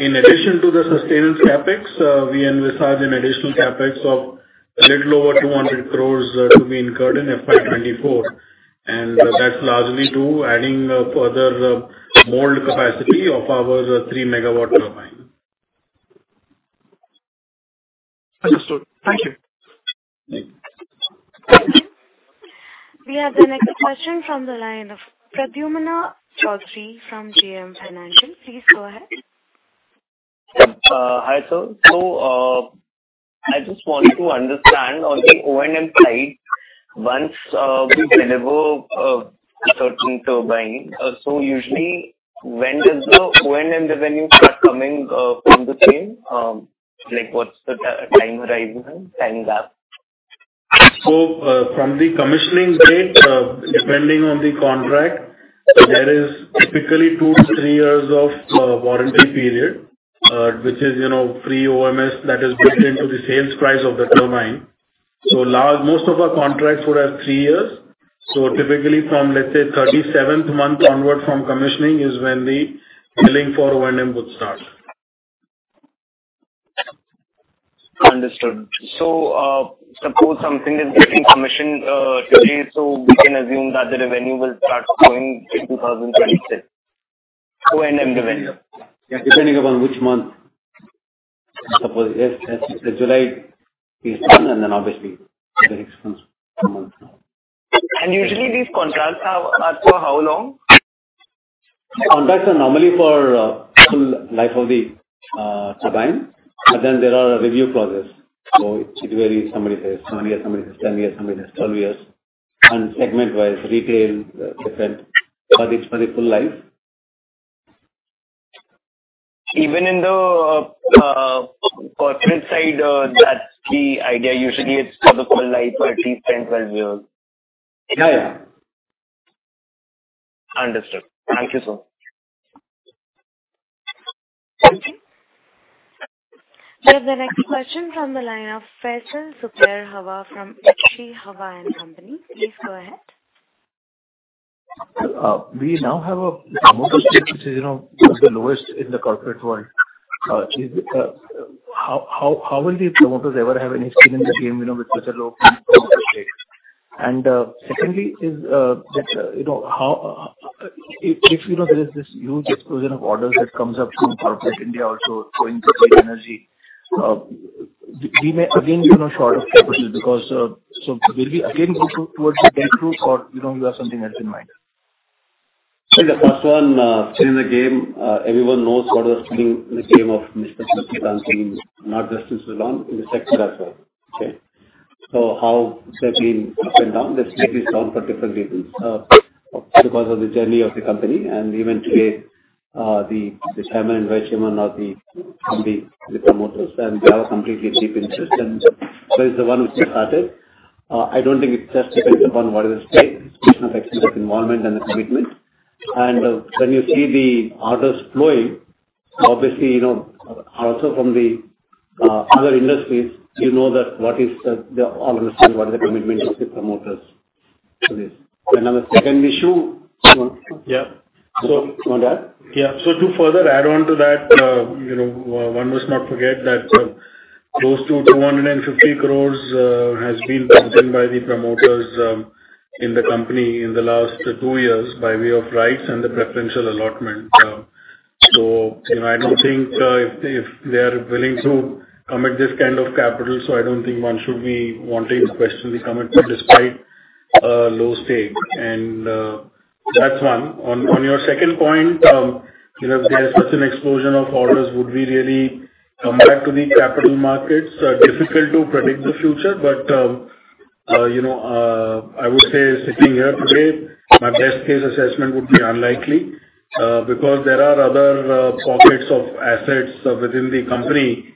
In addition to the sustenance CapEx, we envisage an additional CapEx of a little over 200 crores to be incurred in FY 2024, that's largely to adding further mold capacity of our 3 megawatt turbine. Understood. Thank you. Thank you. We have the next question from the line of Pradyumna Choudhary from JM Financial. Please go ahead. Hi, sir. I just want to understand on the O&M side, once we deliver a certain turbine, usually, when does the O&M, the revenue start coming from the same? Like, what's the time horizon, time gap? From the commissioning date, depending on the contract, there is typically 2-3 years of warranty period, which is, you know, free OMS that is built into the sales price of the turbine. Most of our contracts would have 3 years. Typically from, let's say, 37th month onward from commissioning is when the billing for O&M would start. Understood. Suppose something is getting commissioned, today, so we can assume that the revenue will start flowing in 2026, O&M revenue? Depending upon which month. Suppose if July is done, and then obviously, the [next month] Usually these contracts are for how long? Contracts are normally for, full life of the, turbine, but then there are review clauses. So, it varies. Somebody says 7 years, somebody says 10 years, somebody says 12 years. Segment-wise, retail, different, but it's for the full life. Even in the corporate side, that's the idea. Usually, it's for the full life, at least 10 years-12 years. Yeah, yeah. Understood. Thank you, sir. Thank you. We have the next question from the line of Faisal Zubair Hawa from H.G. Hawa & Co. Please go ahead. We now have a promoter share, which is, you know, the lowest in the corporate world. How will the promoters ever have any skin in the game, you know, with such a low stake? Secondly, is that, you know, how. If you know there is this huge explosion of orders that comes up from corporate India also going to clean energy, we may again be, you know, short of capital because, will we again go towards the debt route, or, you know, you have something else in mind? The first one, skin in the game, everyone knows what is skin in the game of Mr. Tulsi Tanti, not just in Suzlon, in the sector as well. Okay? How that been up and down, that's maybe down for different reasons, because of the journey of the Company, and even today, the Chairman and Vice Chairman are the Company promoters, and they have a completely deep interest. It's the one which they started. I don't think it just depends upon what are the stake, [especially] extent of the invovlement and commitment. And when you see the orders flowing, obviously, you know, also from the other industries, you know that what is the understanding, what is the commitment of the promoters to this. Now the second issue. Yeah. You want to add? To further add on to that, you know, one must not forget that, close to 250 crores, has been pumped in by the promoters, in the Company in the last two years by way of rights and the preferential allotment. You know, I don't think, if they are willing to commit this kind of capital, so I don't think one should be wanting to question the commitment despite low stake. That's one. On your second point, you know, if there is such an explosion of orders, would we really come back to the capital markets? Difficult to predict the future, but, you know, I would say sitting here today, my best case assessment would be unlikely, because there are other, pockets of assets within the company,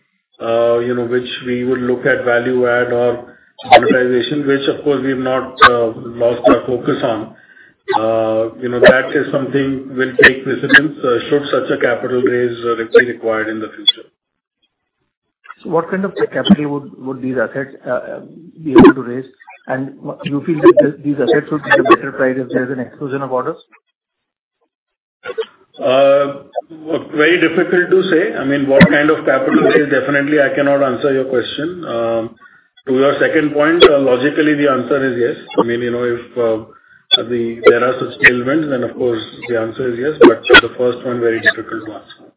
you know, which we would look at value add or monetization, which of course, we've not, lost our focus on. You know, that is something we'll take precedence, should such a capital raise be required in the future. What kind of capital would these assets be able to raise? And do you feel that these assets would be a better price if there's an explosion of orders? Very difficult to say. I mean, what kind of capital, say, definitely I cannot answer your question. To your second point, logically, the answer is yes. I mean, you know, if, there are such tailwinds, then of course, the answer is yes. The first one, very difficult to answer.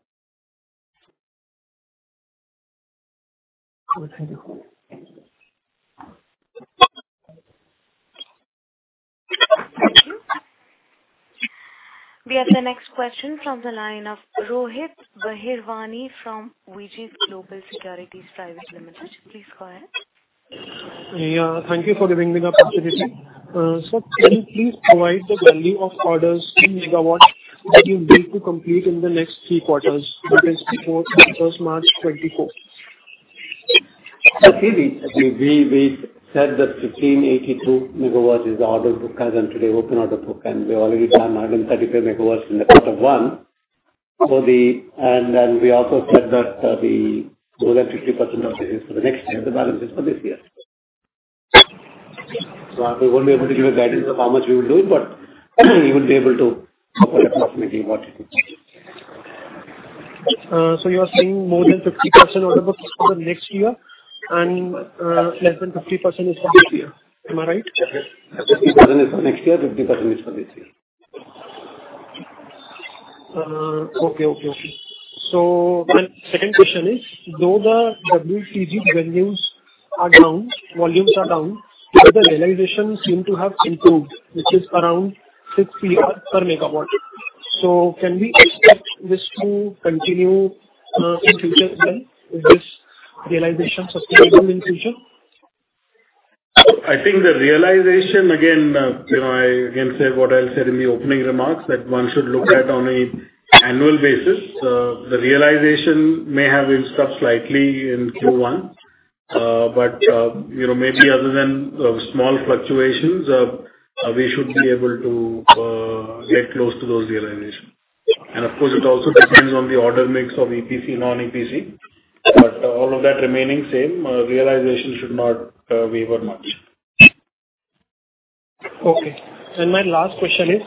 Okay, thank you. Thank you. We have the next question from the line of Rohit Bahirwani from Vijit Global Securities Private Limited. Please go ahead. Yeah, thank you for giving me the opportunity. Sir, can you please provide the value of orders in megawatts that you built to complete in the next three quarters, that is, before [31st] March 2024? Okay, we said that 1,582 megawatts is the order book as on today, open order book, and we already done 135 megawatts in the quarter one. We also said that the more than 50% of it is for the next year, the balance is for this year. We won't be able to give a guidance of how much we will do, but we would be able to order approximately what it would be. You are saying more than 50% order book is for the next year, and less than 50% is for this year. Am I right? Yes, 50% is for next year, 50% is for this year. Okay. My second question is, though the WTG revenues are down, volumes are down, but the realization seem to have improved, which is around 6 Cr. per megawatt. Can we expect this to continue in future as well? Is this realization sustainable in future? I think the realization, again, you know, I again say what I said in the opening remarks, that one should look at on an annual basis. The realization may have inched up slightly in Q1, but, you know, maybe other than small fluctuations, we should be able to get close to those realization. Of course, it also depends on the order mix of EPC, non-EPC, but all of that remaining same, realization should not waiver much. Okay. My last question is,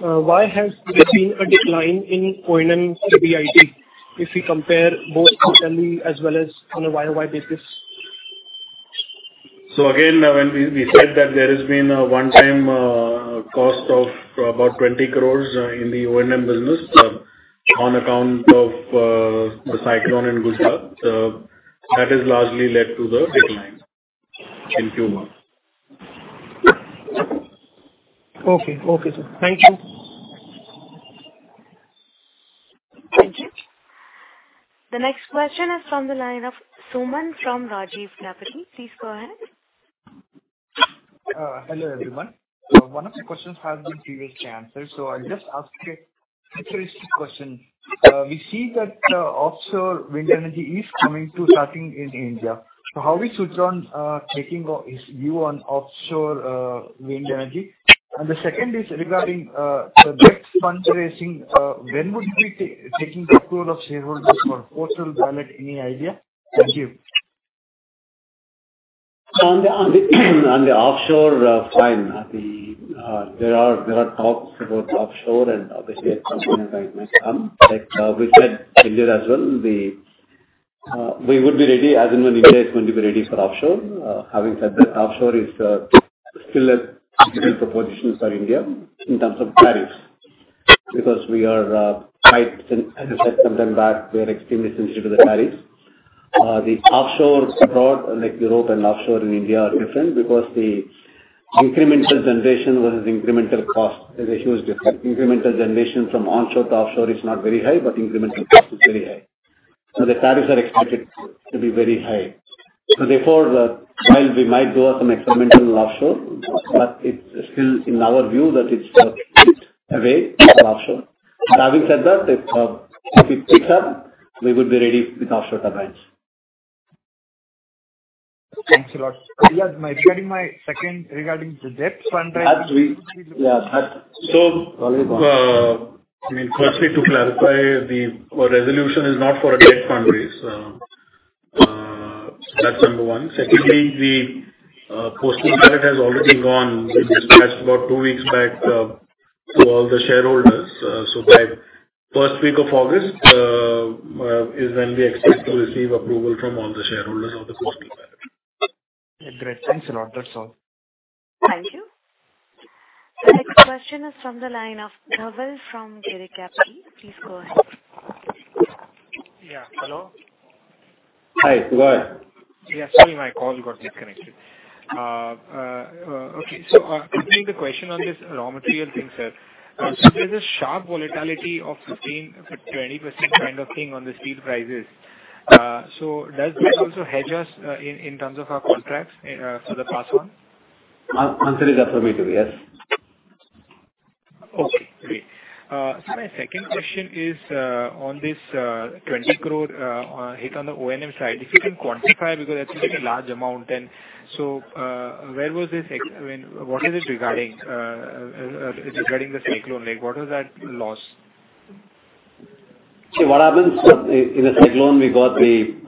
why has there been a decline in O&M PBIT, if we compare both quarterly as well as on a YOY basis? Again, when we said that there has been a one-time cost of about 20 crores in the O&M business, on account of the cyclone in Gujarat, that has largely led to the decline in Q1. Okay. Okay, sir. Thank you. Thank you. The next question is from the line of Suman from Rajiv Capital. Please go ahead. Hello, everyone. One of the questions have been previously answered, so I'll just ask a futuristic question. We see that offshore wind energy is coming to starting in India. How is Suzlon taking off its view on offshore wind energy? And the second is regarding the debt fundraising, when would we be taking control of shareholders for postal ballot? Any idea? Thank you. On the offshore, fine. There are talks about offshore, and obviously at some point it might come. Like, we said earlier as well, we would be ready as and when India is going to be ready for offshore. Having said that, offshore is still a difficult proposition for India in terms of tariffs, because we are quite, as I said some time back, we are extremely sensitive to the tariffs. The offshore abroad, like Europe and offshore in India, are different because the incremental generation versus incremental cost is a huge difference. Incremental generation from onshore to offshore is not very high, but incremental cost is very high, so the tariffs are expected to be very high. Therefore, while we might go on some experimental offshore, but it's still in our view that it's away offshore. Now, having said that, if it picks up, we would be ready with offshore turbines. Thanks a lot. Yeah, regarding my second, regarding the debt fund... I mean, firstly, to clarify, the resolution is not for a debt fundraise. That's number one. Secondly, the postal ballot has already gone. It dispatched about two weeks back to all the shareholders. So, by first week of August is when we expect to receive approval from all the shareholders of the postal ballot. Great. Thanks a lot. That's all. Thank you. The next question is from the line of Dhaval from Girik Capital. Please go ahead. Yeah, hello? Hi, [go ahead]. Yeah, sorry, my call got disconnected. Okay. Repeating the question on this raw material thing, sir. There's a sharp volatility of 15%-20% kind of thing on the steel prices. Does this also hedge us in terms of our contracts for the pass on? Answer is affirmative, yes. Okay, great. My second question is on this 20 crore hit on the O&M side. If you can quantify, because that's such a large amount, where was this I mean, what is it regarding regarding the cyclone? Like, what was that loss? What happens in the cyclone, we got the --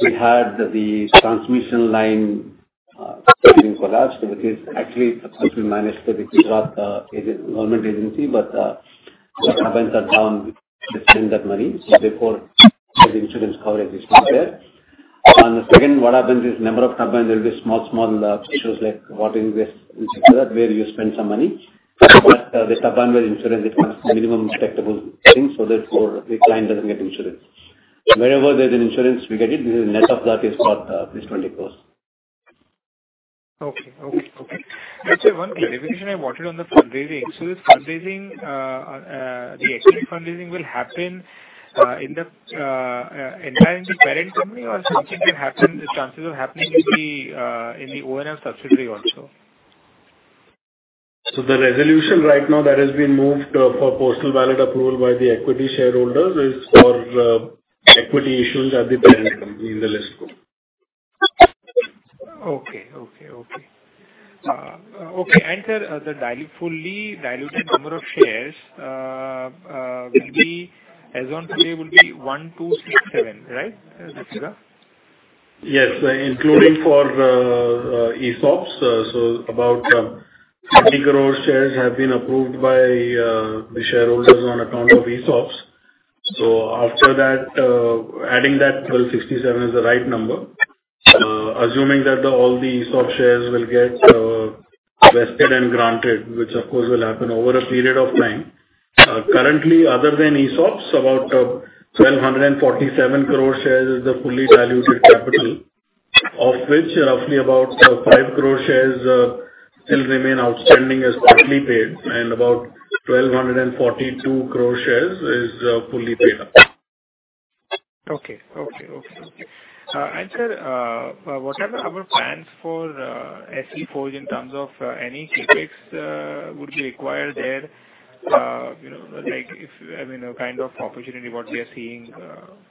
we had the transmission line completely collapsed, which is actually supposed to be managed by the Gujarat government agency. The turbines are down, they send that money. Therefore, the insurance coverage is not there. Second, what happens is number of turbines, there'll be small issues like water ingress, et cetera, where you spend some money. The turbine where insurance requires minimum detectable thing, therefore, the client doesn't get insurance. Wherever there's an insurance, we get it. The net of that is what this 20 crores. Okay. Okay, okay. Sir, one clarification I wanted on the fundraising. This fundraising, the equity fundraising will happen in the entirely parent company or something can happen, is considered happening in the O&M subsidiary also? The resolution right now that has been moved for postal ballot approval by the equity shareholders is for equity issues at the parent company in the list. Okay. Okay, okay. Okay, sir, the fully diluted number of shares will be, as on today, will be 1,267, right? Is that correct? Yes, including for ESOPs. About 50 crore shares have been approved by the shareholders on account of ESOPs. After that, adding that 1,267 is the right number. Assuming that all the ESOP shares will get vested and granted, which of course will happen over a period of time. Currently, other than ESOPs, about 1,247 crore shares is the fully diluted capital, of which roughly about 5 crore shares still remain outstanding as partly paid, and about 1,242 crore shares is fully paid up. Okay. Okay, okay. And sir, what are the other plans for SE Forge in terms of any CapEx would be acquired there? You know, like if, I mean, a kind of opportunity, what we are seeing,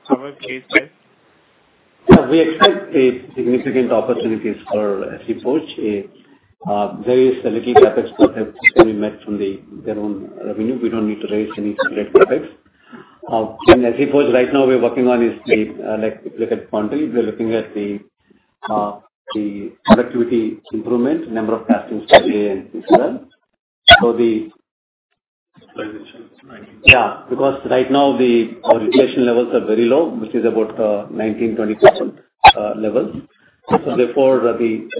[how we are placed there]? We expect a significant opportunities for SE Forge. There is a little CapEx what have been met from the -- their own revenue. We don't need to raise any direct CapEx. In SE Forge right now, we're working on is the, like, look at [quantile], we are looking at the productivity improvement, number of castings per day, and et cetera. Utilization, right. Because right now the, our utilization levels are very low, which is about 19%-20% level. Therefore, the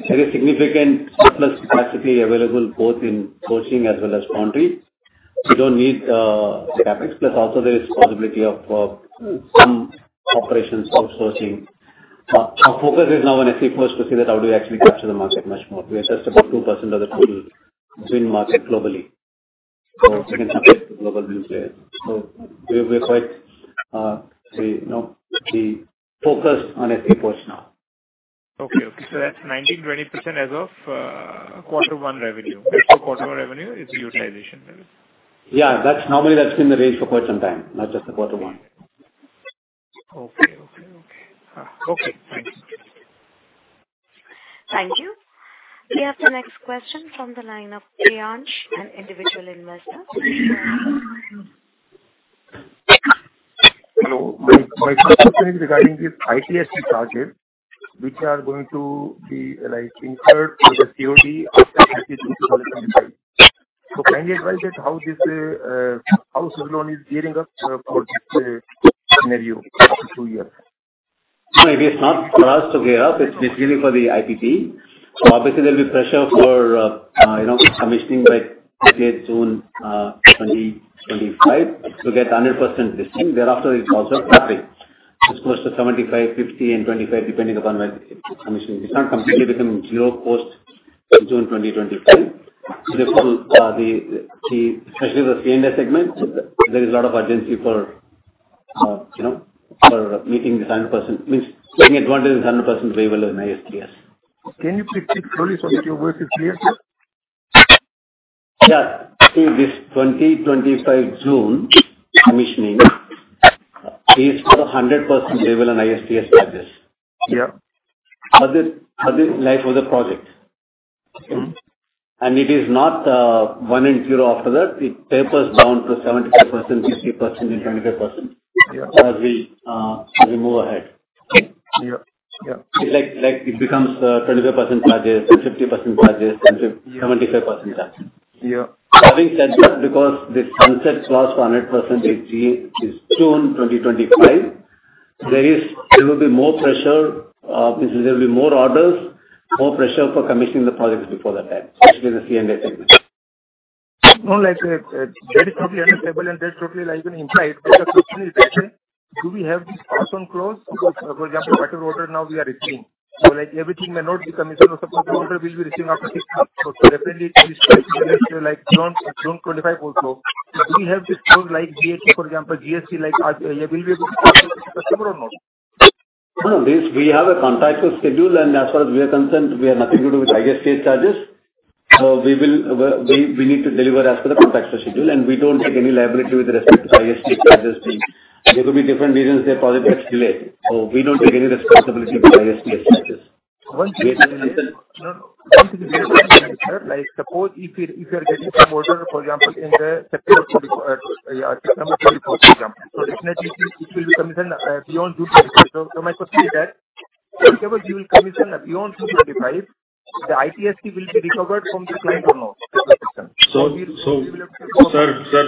very significant surplus capacity available both in forging as well as foundry. We don't need CapEx, plus also there is possibility of some operations outsourcing. Our focus is now on SE Forge to see that how do we actually capture the market much more. We are just about 2% of the total [twin] market globally. We can get global in play. We -- we're quite, say, you know, the focus on SE Forge now. Okay. Okay. That's 19%-20% as of quarter one revenue. Quarter one revenue is utilization, right? Yeah, that's normally been the range for quite some time, not just the quarter one. Okay, okay. Okay, thanks. Thank you. We have the next question from the line of Priyansh, an individual investor. Hello. My first question is regarding this [ISTS] charges, which are going to be, like, incurred with the COD after 30 June 2025. Kindly advise that how this -- how Suzlon is gearing up for this scenario in two years? It is not for us to gear up, it's really for the IPP. Obviously there'll be pressure for, you know, commissioning by 30th June 2025 to get 100% listing. Thereafter, it's also CapEx. It's close to 75%, 50%, and 25%, depending upon the commissioning. It's not completely becoming zero post June 2025. The -- especially the C&I segment, there is a lot of urgency for, you know, for meeting the 100%, means taking advantage of the 100% available in ISTS. Can you please speak slowly so that your voice is clear, sir? Yeah. See, this 2025 June commissioning is for the 100% payable on ISTS charges. Yeah. For this life of the project. It is not one and zero after that, it tapers down to 75%, 50%, and 25%. Yeah. As we move ahead. Yeah. Yeah. It's like, it becomes, 25% charges, 50% charges, 75% charges. Yeah. Because the sunset clause for 100% is June 2025, there is still be more pressure, means there will be more orders, more pressure for commissioning the projects before that time, especially the C&I segment. No, like, that is totally understandable, and that's totally like an insight. The question is that, do we have this on clause? Because, for example, whatever order now we are receiving. Like, everything may not be commissioned or supported, order will be receiving after six months. Definitely, this like June 25 also. Do we have this clause, like GST, for example, GST, like, will we be able to pass it to customer or not? No, this, we have a contractual schedule. As far as we are concerned, we have nothing to do with ISTS charges. We will -- we need to deliver as per the contractual schedule, and we don't take any liability with respect to ISTS charges. There could be different reasons the project gets delayed. We don't take any responsibility for ISTS charges. One thing, sir, like, suppose if you are getting some order, for example, in the September 2024, for example. Definitely, it will be commissioned beyond June. My question is that, whenever you will commission beyond June 2025, the [ISTS] will be recovered from the client or not? Sir,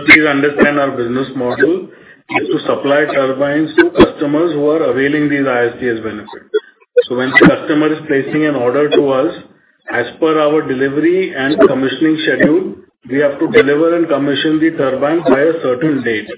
please understand our business model is to supply turbines to customers who are availing these ISTS benefit. When customer is placing an order to us, as per our delivery and commissioning schedule, we have to deliver and commission the turbine by a certain date.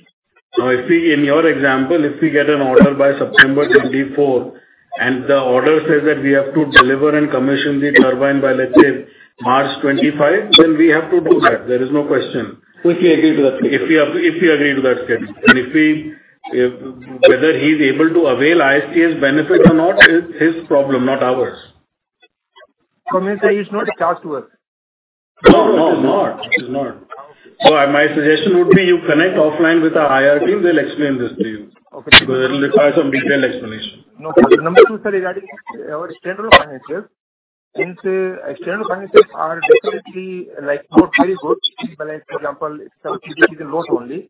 If we, in your example, if we get an order by September 2024, and the order says that we have to deliver and commission the turbine by, let's say, March 2025, then we have to do that. There is no question. If we agree to that schedule. If we agree to that schedule. If whether he's able to avail ISTS benefit or not, is his problem, not ours. Means that it's not a charge to us? No, no, it's not. It's not. My suggestion would be you connect offline with our IR team, they'll explain this to you. Okay. It'll require some detailed explanation. Number two, sir, is regarding our standalone finances. Standalone finances are definitely, like, not very good, but like, for example, it's a loss only.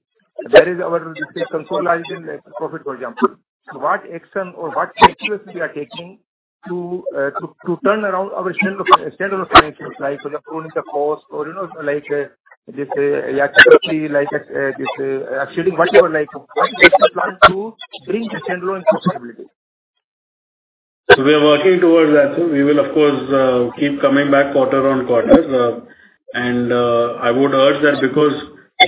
There is our, let's say, consolidated profit, for example. What action or what steps we are taking to turn around our standalone finances, like reducing the cost or, you know, like, this, actually, whatever, like, what is the plan to bring the standalone profitability? We are working towards that. We will, of course, keep coming back quarter-on-quarter. I would urge that because,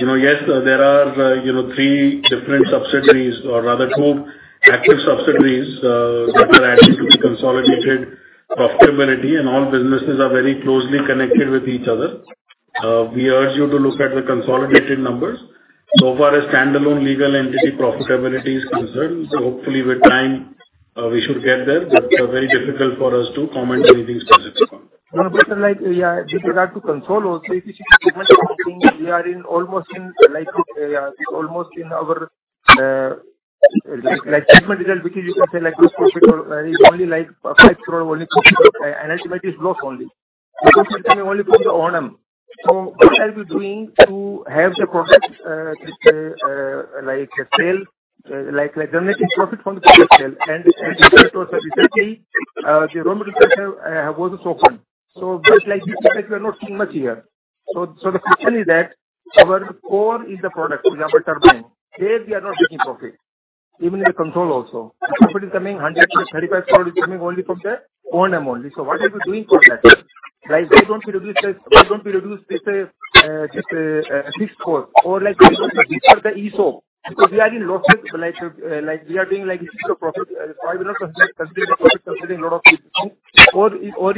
you know, yes, there are, you know, three different subsidiaries, or rather two active subsidiaries, that are adding to the consolidated profitability, and all businesses are very closely connected with each other. We urge you to look at the consolidated numbers. So far as standalone legal entity profitability is concerned, hopefully with time, we should get there. Very difficult for us to comment anything specific. Like, yeah, with regard to [consol] also, if you see, we are in almost in almost in our segment result, which you can say, this profit is only 5 crore only, and ultimately it's loss only. It's coming only from the O&M. What are we doing to have the product sale, generating profit from the product sale? Recently, the raw material was also open. Just like we are not seeing much here. The question is that our core is the product, for example, turbine. There we are not making profit, even in the consol also. Profit is coming, [100 crores to INR 135 crore] is coming only from the O&M only. What are we doing for that? Like, why don't we reduce this fixed cost? Like, why don't we reduce the ESOP? Because we are in losses, like, we are doing, like, [zero profit]. I will not consider the profit, considering a lot of things.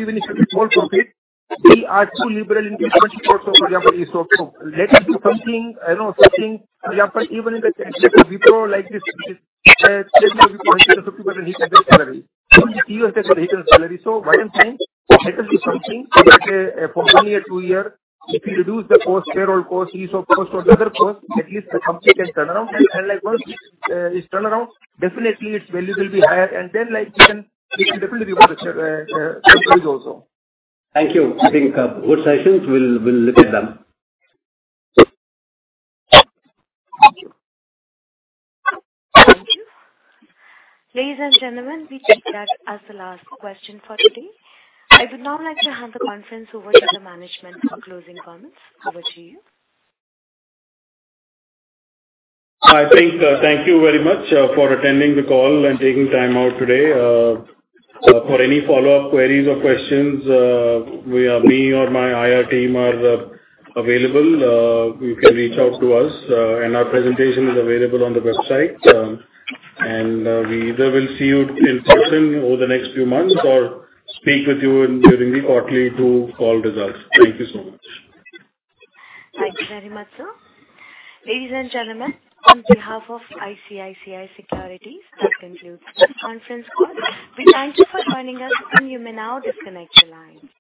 Even if you [more put in] we are too liberal in this also, for example, ESOP. Let us do something, I don't know, something, for example, even in the Wipro, Chairman has taken a 50% hit in salary. Even CEO has taken hit in his salary. What I'm saying, let us do something, like, for only a 2 year, if we reduce the cost, payroll cost, ESOP cost, or other costs, at least the company can turn around. Like, once it's turned around, definitely its value will be higher, and then, like, we can, -- we can definitely give a raise also. Thank you. I think, good suggestions, we'll look at them. Thank you. Ladies and gentlemen, we take that as the last question for today. I would now like to hand the conference over to the management for closing comments. Over to you. I think, thank you very much for attending the call and taking time out today. For any follow-up queries or questions, me or my IR team are available. You can reach out to us. Our presentation is available on the website. We either will see you in person over the next few months or speak with you during the quarterly two call results. Thank you so much. Thank you very much, sir. Ladies and gentlemen, on behalf of ICICI Securities, that concludes the conference call. We thank you for joining us, and you may now disconnect your lines.